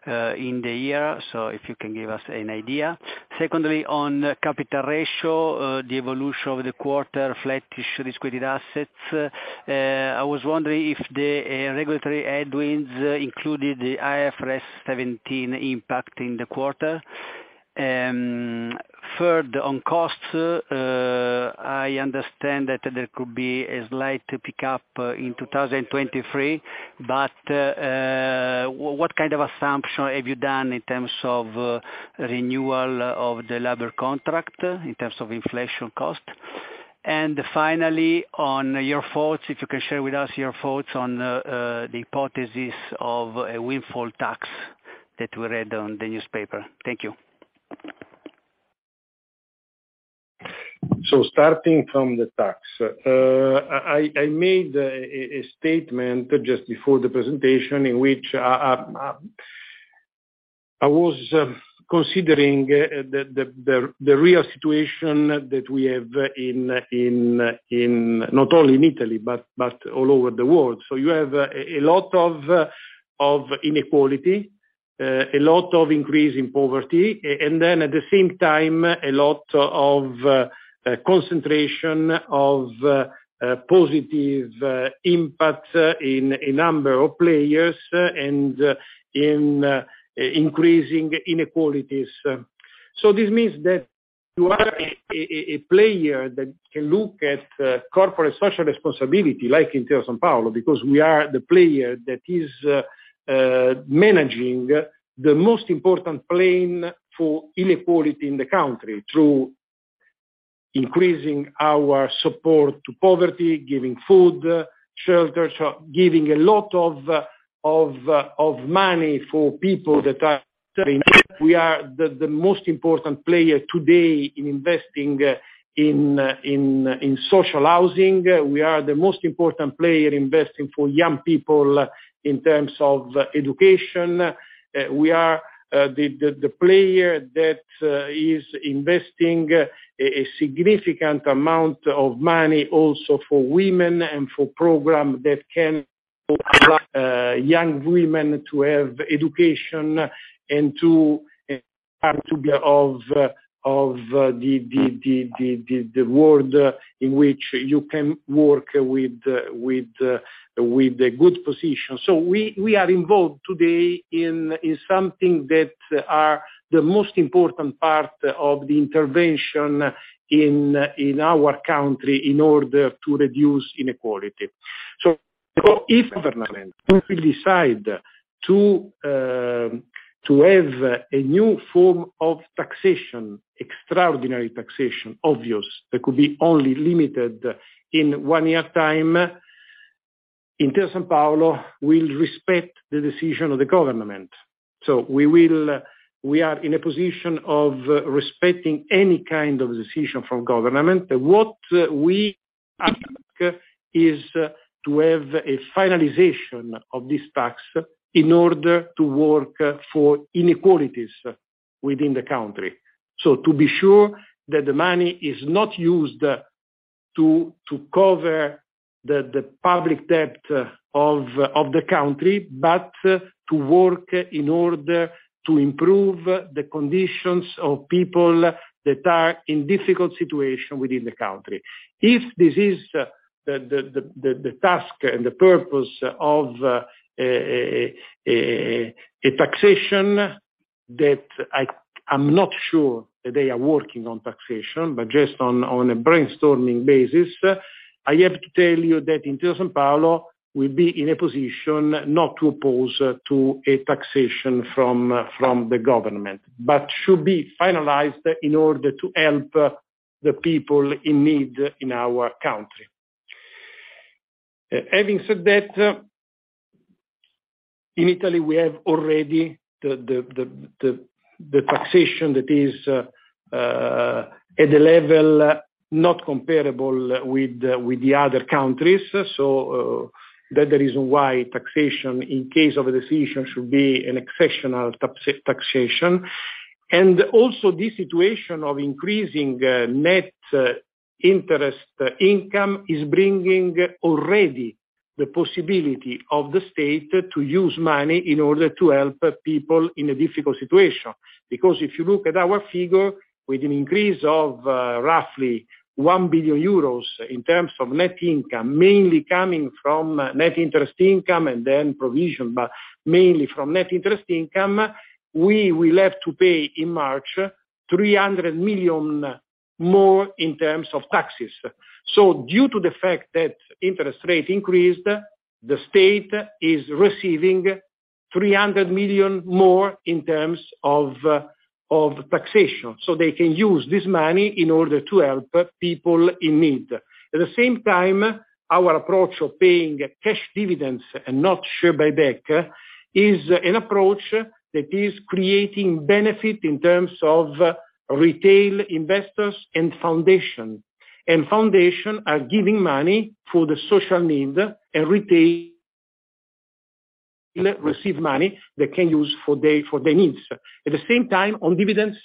in the year. If you can give us an idea. Secondly, on capital ratio, the evolution of the quarter, flat issue risk credit assets. I was wondering if the regulatory headwinds included the IFRS 17 impact in the quarter. Third, on costs, I understand that there could be a slight pick up in 2023, but what kind of assumption have you done in terms of renewal of the labor contract in terms of inflation cost? Finally, on your thoughts, if you can share with us your thoughts on the hypothesis of a windfall tax that we read on the newspaper. Thank you. Starting from the tax. I made a statement just before the presentation in which I was considering the real situation that we have in not only in Italy, but all over the world. You have a lot of inequality, a lot of increase in poverty, and then at the same time, a lot of concentration of positive impact in a number of players and in increasing inequalities. This means that to have a player that can look at corporate social responsibility, like Intesa Sanpaolo, because we are the player that is managing the most important plane for inequality in the country through increasing our support to poverty, giving food, shelter, giving a lot of money for people that are in need. We are the most important player today in investing in social housing. We are the most important player investing for young people in terms of education. We are the player that is investing a significant amount of money also for women and for program that can young women to have education and to have to be of the world in which you can work with a good position. We are involved today in something that are the most important part of the intervention in our country in order to reduce inequality. If government will decide to to have a new form of taxation, extraordinary taxation, obvious, that could be only limited in one year time, Intesa Sanpaolo will respect the decision of the government. We will. We are in a position of respecting any kind of decision from government. What we ask is to have a finalization of this tax in order to work for inequalities within the country. To be sure that the money is not used to cover the public debt of the country, but to work in order to improve the conditions of people that are in difficult situation within the country. If this is the task and the purpose of a taxation that I'm not sure that they are working on taxation, but just on a brainstorming basis, I have to tell you that Intesa Sanpaolo will be in a position not to oppose to a taxation from the government, but should be finalized in order to help the people in need in our country. Having said that, in Italy, we have already the taxation that is At the level not comparable with the other countries, that the reason why taxation in case of a decision should be an exceptional taxation. Also this situation of increasing net interest income is bringing already the possibility of the state to use money in order to help people in a difficult situation. Because if you look at our figure with an increase of roughly 1 billion euros in terms of net income, mainly coming from net interest income and then provision, but mainly from net interest income, we will have to pay in March 300 million more in terms of taxes. Due to the fact that interest rate increased, the state is receiving 300 million more in terms of taxation. They can use this money in order to help people in need. At the same time, our approach of paying cash dividends and not share buyback is an approach that is creating benefit in terms of retail investors and foundation. Foundation are giving money for the social needs, and retail receive money they can use for their needs. At the same time on dividends,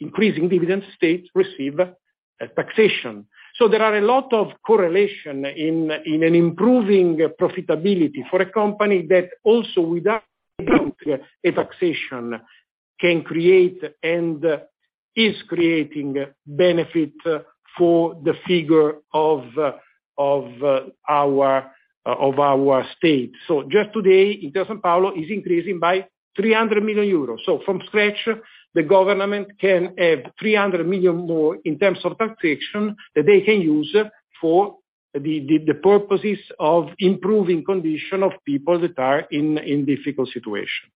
increasing dividends, states receive a taxation. There are a lot of correlation in an improving profitability for a company that also without a taxation can create and is creating benefit for the figure of of our state. Just today, Intesa Sanpaolo is increasing by 300 million euros. From scratch, the government can have 300 million more in terms of taxation that they can use for the purposes of improving condition of people that are in difficult situation.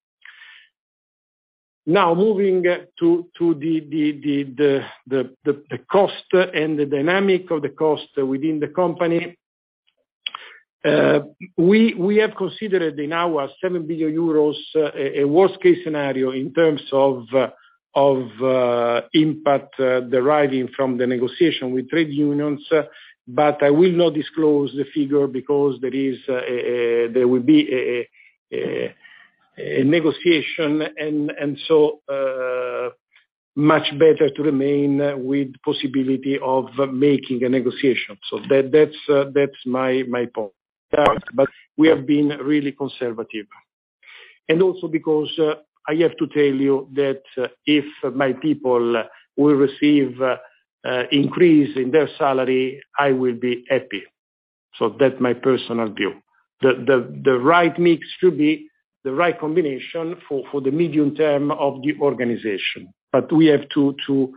Moving to the cost and the dynamic of the cost within the company. We have considered in our 7 billion euros a worst-case scenario in terms of impact deriving from the negotiation with trade unions, but I will not disclose the figure because there will be a negotiation and so much better to remain with possibility of making a negotiation. That's my point. We have been really conservative. Also because, I have to tell you that if my people will receive, increase in their salary, I will be happy. That's my personal view. The right mix should be the right combination for the medium term of the organization. We have to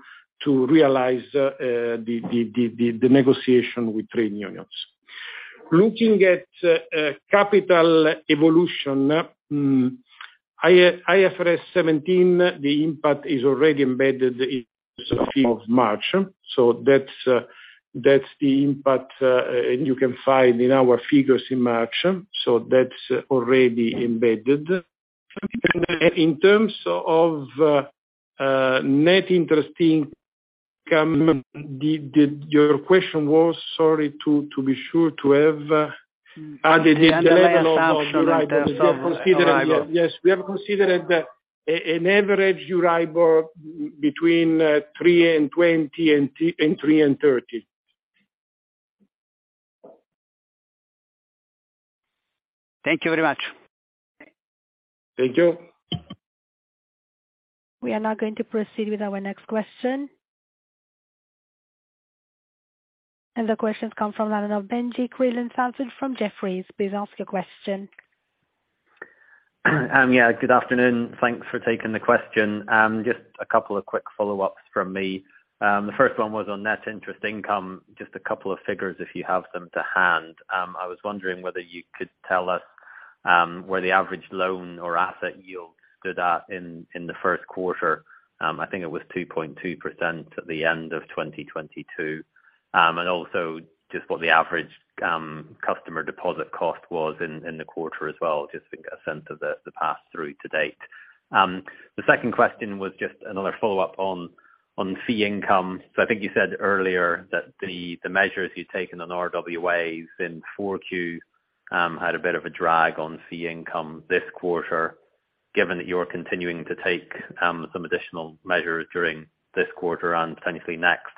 realize the negotiation with trade unions. Looking at capital evolution, IFRS 17, the impact is already embedded in March. That's the impact, and you can find in our figures in March. That's already embedded. In terms of net interest income, Your question was? Sorry, to be sure to have added- The underlying assumption in terms of- Yes, we have considered an average Euribor between 3.20% and 3.30%. Thank you very much. Thank you. We are now going to proceed with our next question. The question's come from Marco Nicolai, from Jefferies. Please ask your question. Yeah, good afternoon. Thanks for taking the question. Just a couple of quick follow-ups from me. The first one was on net interest income, just a couple of figures if you have them to hand. I was wondering whether you could tell us where the average loan or asset yield stood at in the Q1. I think it was 2.2% at the end of 2022. And also just what the average customer deposit cost was in the quarter as well, just to get a sense of the pass-through to date. The second question was just another follow-up on fee income. I think you said earlier that the measures you'd taken on RWAs in 4Q had a bit of a drag on fee income this quarter. Given that you're continuing to take, some additional measures during this quarter and potentially next,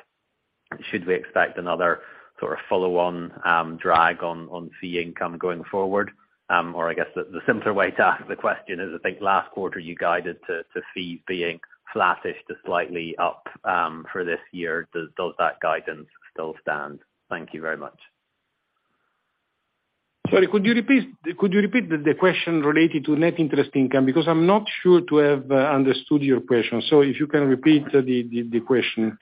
should we expect another sort of follow-on, drag on fee income going forward? I guess the simpler way to ask the question is, I think last quarter you guided to fee being flattish to slightly up, for this year. Does that guidance still stand? Thank you very much. Sorry, could you repeat the question related to net interest income? I'm not sure to have understood your question. If you can repeat the question.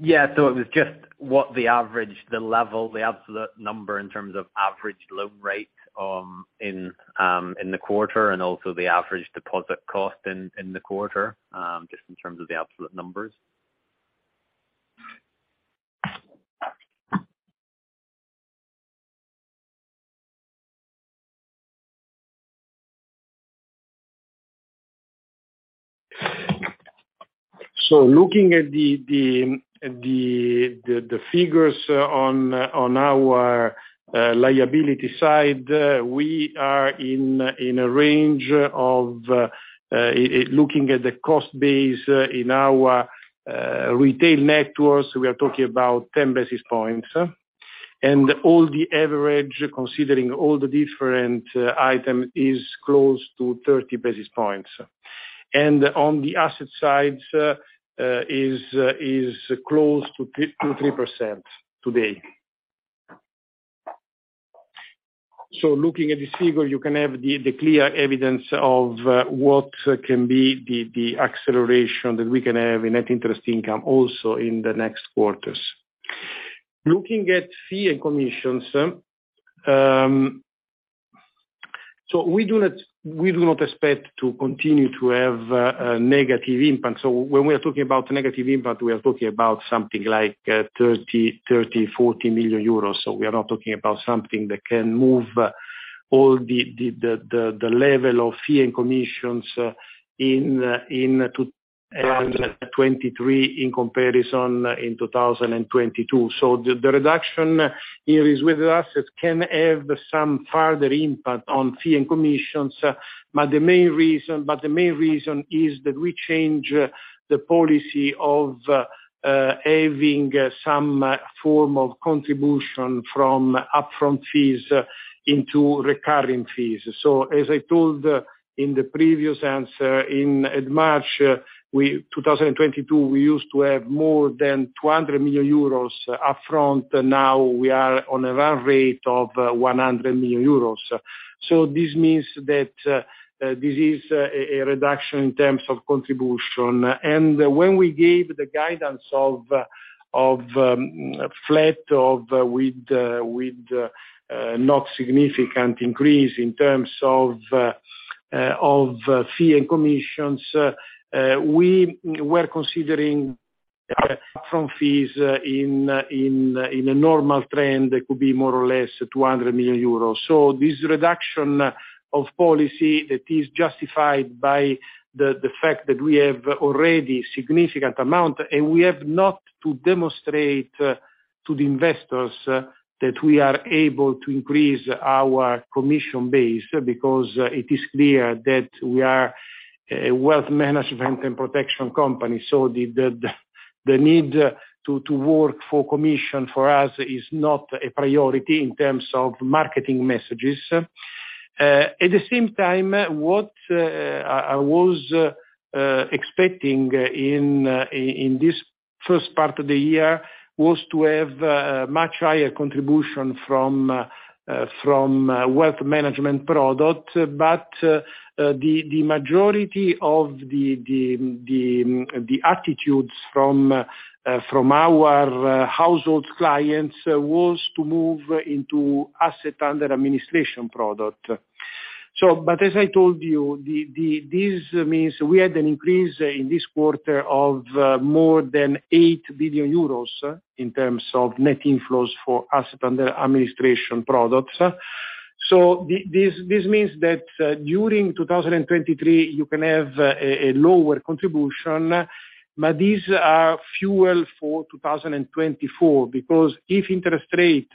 Yeah. it was just what the average, the level, the absolute number in terms of average loan rate, in the quarter, and also the average deposit cost in the quarter, just in terms of the absolute numbers. Looking at the figures on our liability side, we are in a range of, looking at the cost base in our retail networks, we are talking about 10 basis points. All the average, considering all the different item, is close to 30 basis points. On the asset side, is close to 3% today. Looking at this figure, you can have the clear evidence of what can be the acceleration that we can have in net interest income also in the next quarters. Looking at fee and commissions, we do not expect to continue to have a negative impact. When we are talking about negative impact, we are talking about something like 30 million-40 million euros. We are not talking about something that can move all the level of fee and commissions in 2023 in comparison in 2022. The reduction here is with assets can have some further impact on fee and commissions. The main reason is that we change the policy of having some form of contribution from upfront fees into recurring fees. As I told in the previous answer, in March, we 2022, we used to have more than 200 million euros upfront. Now we are on a run rate of 100 million euros. This means that this is a reduction in terms of contribution. When we gave the guidance of flat of with not significant increase in terms of fee and commissions, we were considering upfront fees in a normal trend that could be more or less 200 million euros. This reduction of policy that is justified by the fact that we have already significant amount, and we have not to demonstrate to the investors that we are able to increase our commission base because it is clear that we are a wealth management and protection company. The need to work for commission for us is not a priority in terms of marketing messages. At the same time, what I was expecting in this first part of the year was to have a much higher contribution from wealth management product. The majority of the attitudes from our household clients was to move into asset under administration product. As I told you, this means we had an increase in this quarter of more than 8 billion euros in terms of net inflows for asset under administration products. This means that during 2023, you can have a lower contribution, but these are fuel for 2024, because if interest rate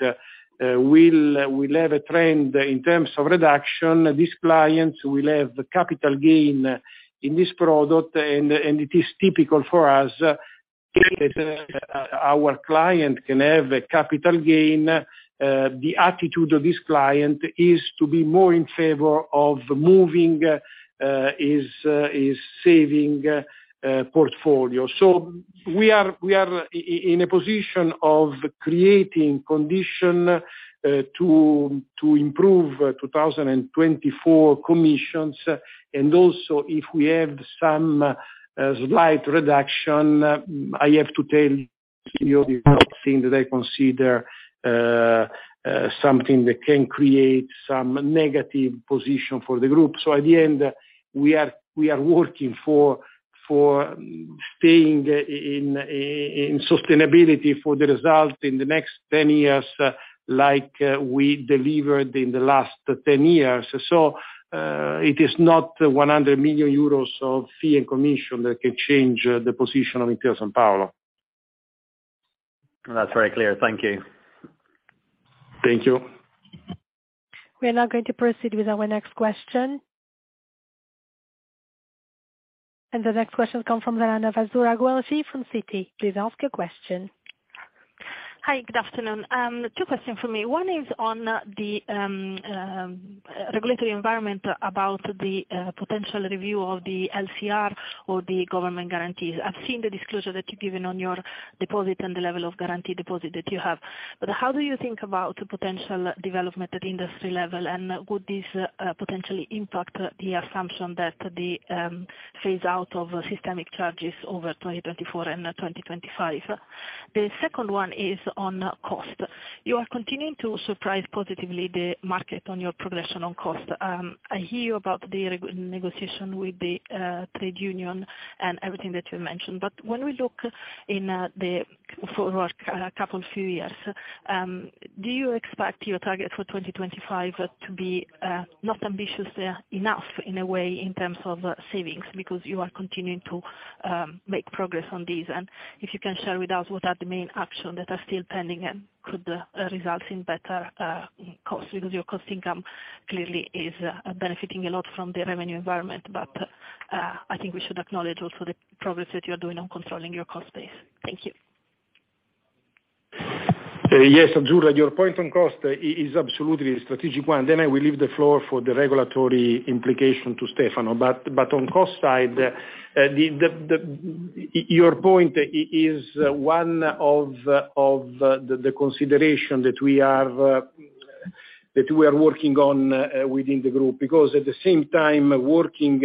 will have a trend in terms of reduction, these clients will have the capital gain in this product. It is typical for us, our client can have a capital gain. The attitude of this client is to be more in favor of moving his saving portfolio. We are in a position of creating condition to improve 2024 commissions. Also if we have some slight reduction, I have to tell you that I consider something that can create some negative position for the group. At the end, we are working for staying in sustainability for the result in the next 10 years, like we delivered in the last 10 years. It is not 100 million euros of fee and commission that can change the position of Intesa Sanpaolo. That's very clear. Thank you. Thank you. We are now going to proceed with our next question. The next question come from Azzurra Guelfi from Citi. Please ask your question. Hi, good afternoon. Two questions from me. One is on the regulatory environment about the potential review of the LCR or the government guarantees. I've seen the disclosure that you've given on your deposit and the level of guarantee deposit that you have. How do you think about potential development at industry level? Would this potentially impact the assumption that the phase out of systemic charges over 2024 and 2025? The second one is on cost. You are continuing to surprise positively the market on your progression on cost. I hear about the negotiation with the trade union and everything that you mentioned. When we look in the forward couple few years, do you expect your target for 2025 to be not ambitious enough in a way in terms of savings because you are continuing to make progress on these? If you can share with us what are the main action that are still pending and could result in better cost, because your cost income clearly is benefiting a lot from the revenue environment. I think we should acknowledge also the progress that you're doing on controlling your cost base. Thank you. Yes, Azzurra Guelfi, your point on cost is absolutely a strategic one. I will leave the floor for the regulatory implication to Stefano. On cost side, your point is one of the consideration that we are working on within the group. At the same time working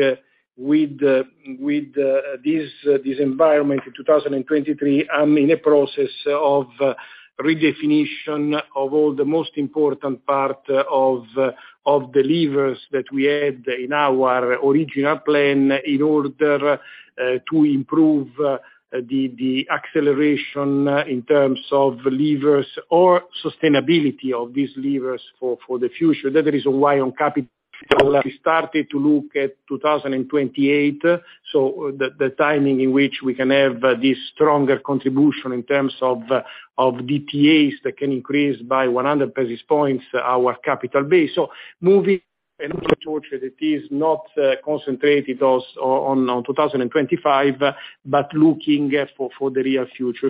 with this environment in 2023, I'm in a process of redefinition of all the most important part of the levers that we had in our original plan in order to improve the acceleration in terms of levers or sustainability of these levers for the future. That is why on capital we started to look at 2028, the timing in which we can have this stronger contribution in terms of DTAs that can increase by 100 basis points our capital base. Moving it is not concentrated as on 2025, but looking for the real future.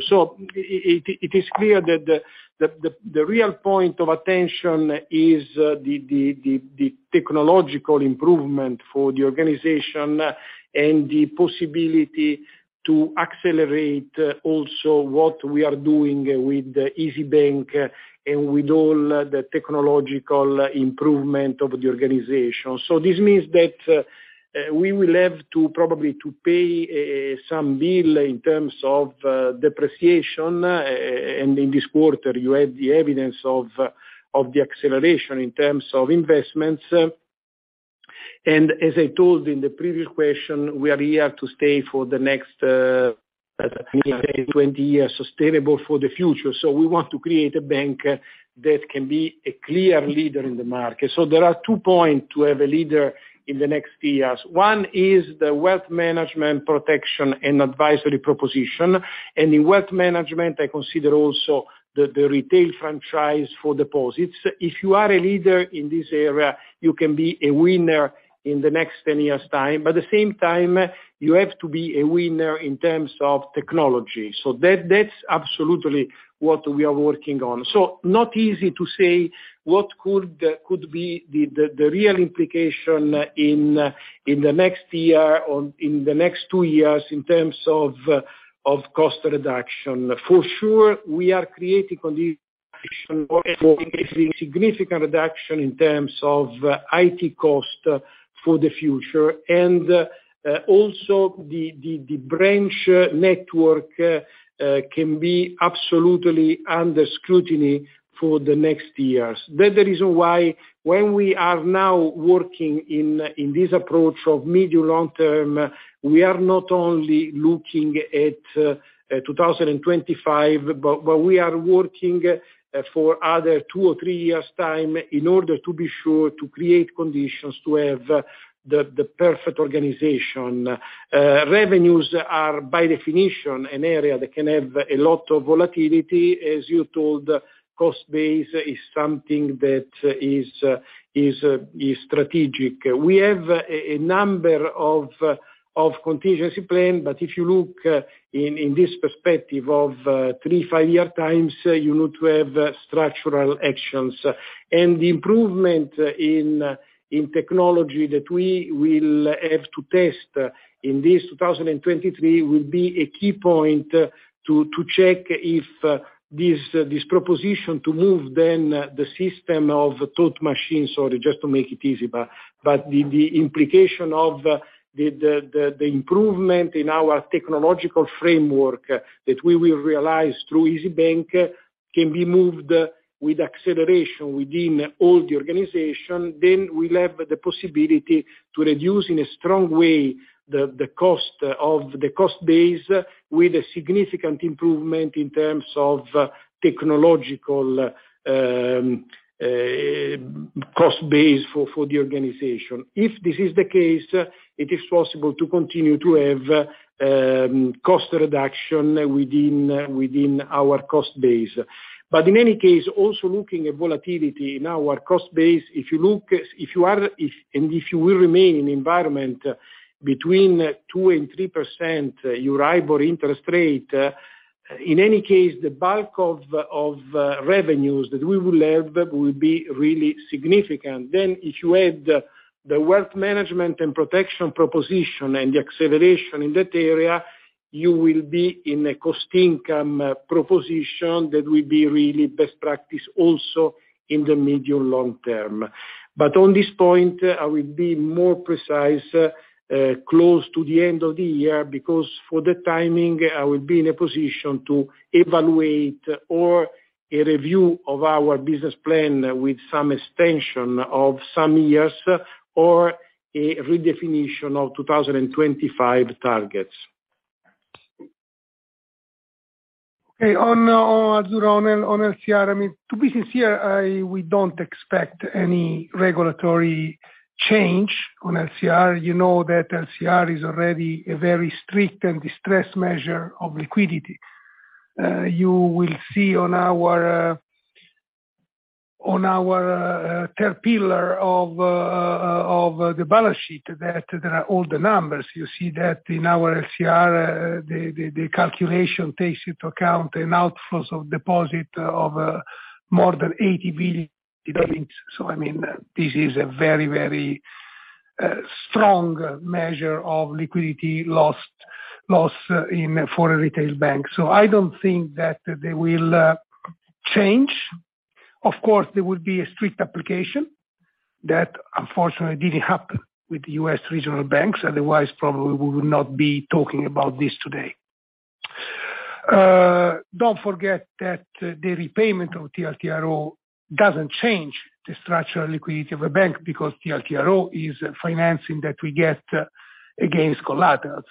It is clear that the real point of attention is the technological improvement for the organization and the possibility to accelerate also what we are doing with Isybank and with all the technological improvement of the organization. This means that we will have to probably to pay some bill in terms of depreciation, and in this quarter you had the evidence of the acceleration in terms of investments. As I told in the previous question, we are here to stay for the next 10, 20 years, sustainable for the future. We want to create a bank that can be a clear leader in the market. There are two point to have a leader in the next years. One is the wealth management protection and advisory proposition. In wealth management, I consider also the retail franchise for deposits. If you are a leader in this area, you can be a winner in the next 10 years time, but at the same time you have to be a winner in terms of technology. That's absolutely what we are working on. Not easy to say what could be the real implication in the next year or in the next two years in terms of cost reduction. For sure, we are creating condition significant reduction in terms of IT cost for the future. Also the branch network can be absolutely under scrutiny for the next years. That the reason why when we are now working in this approach of medium long term, we are not only looking at 2025, but we are working for other two or three years time in order to be sure to create conditions to have the perfect organization. Revenues are by definition an area that can have a lot of volatility. As you told, cost base is strategic. We have a number of contingency plan, but if you look in this perspective of three, five year times, you need to have structural actions. The improvement in technology that we will have to test in this 2023 will be a key point to check if this proposition to move then the system of Thought Machine, sorry, just to make it easy, but the implication of the improvement in our technological framework that we will realize through Isybank can be moved with acceleration within all the organization. We'll have the possibility to reduce in a strong way the cost of the cost base with a significant improvement in terms of technological cost base for the organization. If this is the case, it is possible to continue to have cost reduction within our cost base. In any case, also looking at volatility in our cost base, if you will remain in environment between 2% and 3% Euribor interest rate, in any case the bulk of revenues that we will have will be really significant. If you add the wealth management and protection proposition and the acceleration in that area, you will be in a cost income proposition that will be really best practice also in the medium long term. On this point, I will be more precise, close to the end of the year, because for the timing, I will be in a position to evaluate or a review of our business plan with some extension of some years or a redefinition of 2025 targets. Okay. On LCR, I mean, to be sincere, we don't expect any regulatory change on LCR. You know that LCR is already a very strict and distressed measure of liquidity. You will see on our. On our third pillar of the balance sheet that there are all the numbers, you see that in our LCR, the calculation takes into account an outflows of deposit of more than 80 billion. I mean, this is a very, very strong measure of liquidity loss for a retail bank. I don't think that they will change. Of course, there will be a strict application that unfortunately didn't happen with the U.S. regional banks, otherwise probably we would not be talking about this today. Don't forget that the repayment of TLTRO doesn't change the structural liquidity of a bank because TLTRO is financing that we get against collateral.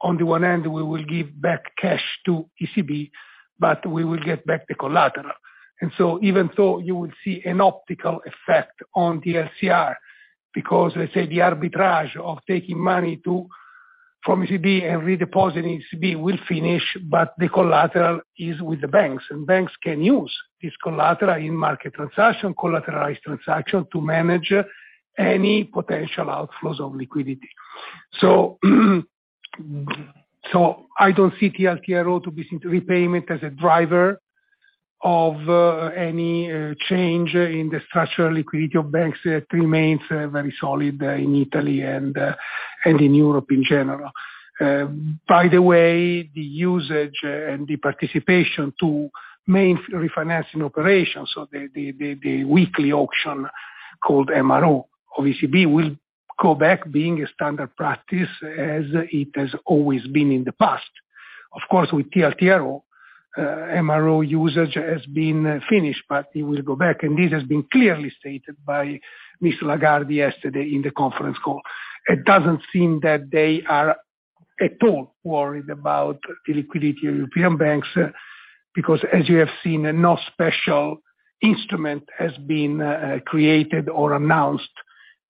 On the one end, we will give back cash to ECB, but we will get back the collateral. Even so, you will see an optical effect on the LCR because, let's say, the arbitrage of taking money from ECB and redepositing ECB will finish, but the collateral is with the banks, and banks can use this collateral in market transaction, collateralized transaction to manage any potential outflows of liquidity. I don't see TLTRO to be seen repayment as a driver of any change in the structural liquidity of banks. It remains very solid in Italy and in Europe in general. By the way, the usage and the participation to main refinancing operations, so the weekly auction called MRO of ECB will go back being a standard practice as it has always been in the past. Of course, with TLTRO, MRO usage has been finished, but it will go back, and this has been clearly stated by Lagarde yesterday in the conference call. It doesn't seem that they are at all worried about the liquidity of European banks, because as you have seen, no special instrument has been created or announced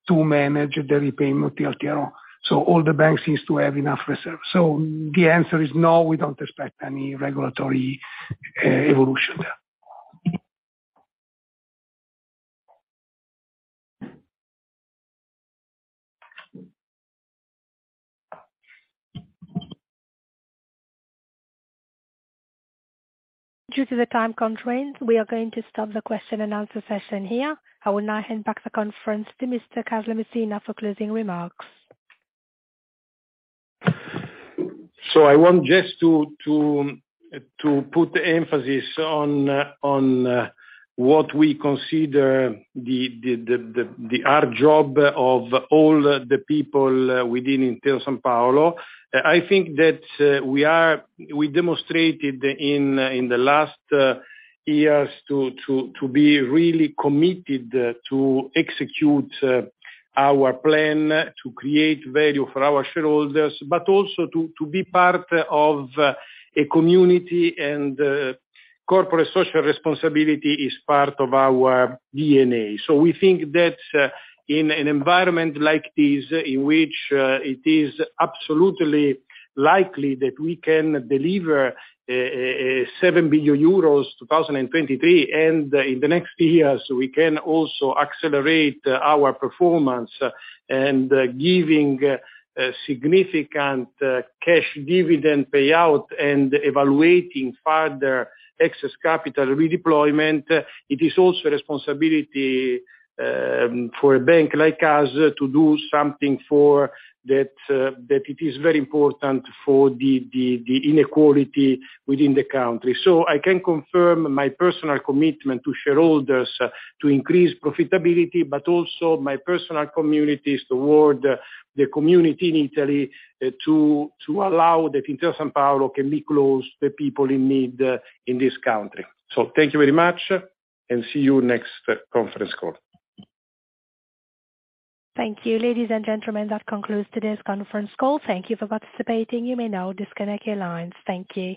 to manage the repayment of TLTRO. All the banks seems to have enough reserves. The answer is no, we don't expect any regulatory, evolution there. Due to the time constraint, we are going to stop the question and answer session here. I will now hand back the conference to Mr. Carlo Messina for closing remarks. I want just to put emphasis on what we consider the hard job of all the people within Intesa Sanpaolo. I think that we demonstrated in the last years to be really committed to execute our plan to create value for our shareholders, but also to be part of a community and corporate social responsibility is part of our DNA. We think that in an environment like this in which it is absolutely likely that we can deliver 7 billion euros in 2023, and in the next years we can also accelerate our performance and giving significant cash dividend payout and evaluating further excess capital redeployment. It is also responsibility for a bank like us to do something for that it is very important for the inequality within the country. I can confirm my personal commitment to shareholders to increase profitability, but also my personal communities toward the community in Italy to allow that Intesa Sanpaolo can be close to people in need in this country. Thank you very much, and see you next conference call. Thank you. Ladies and gentlemen, that concludes today's conference call. Thank you for participating. You may now disconnect your lines. Thank you.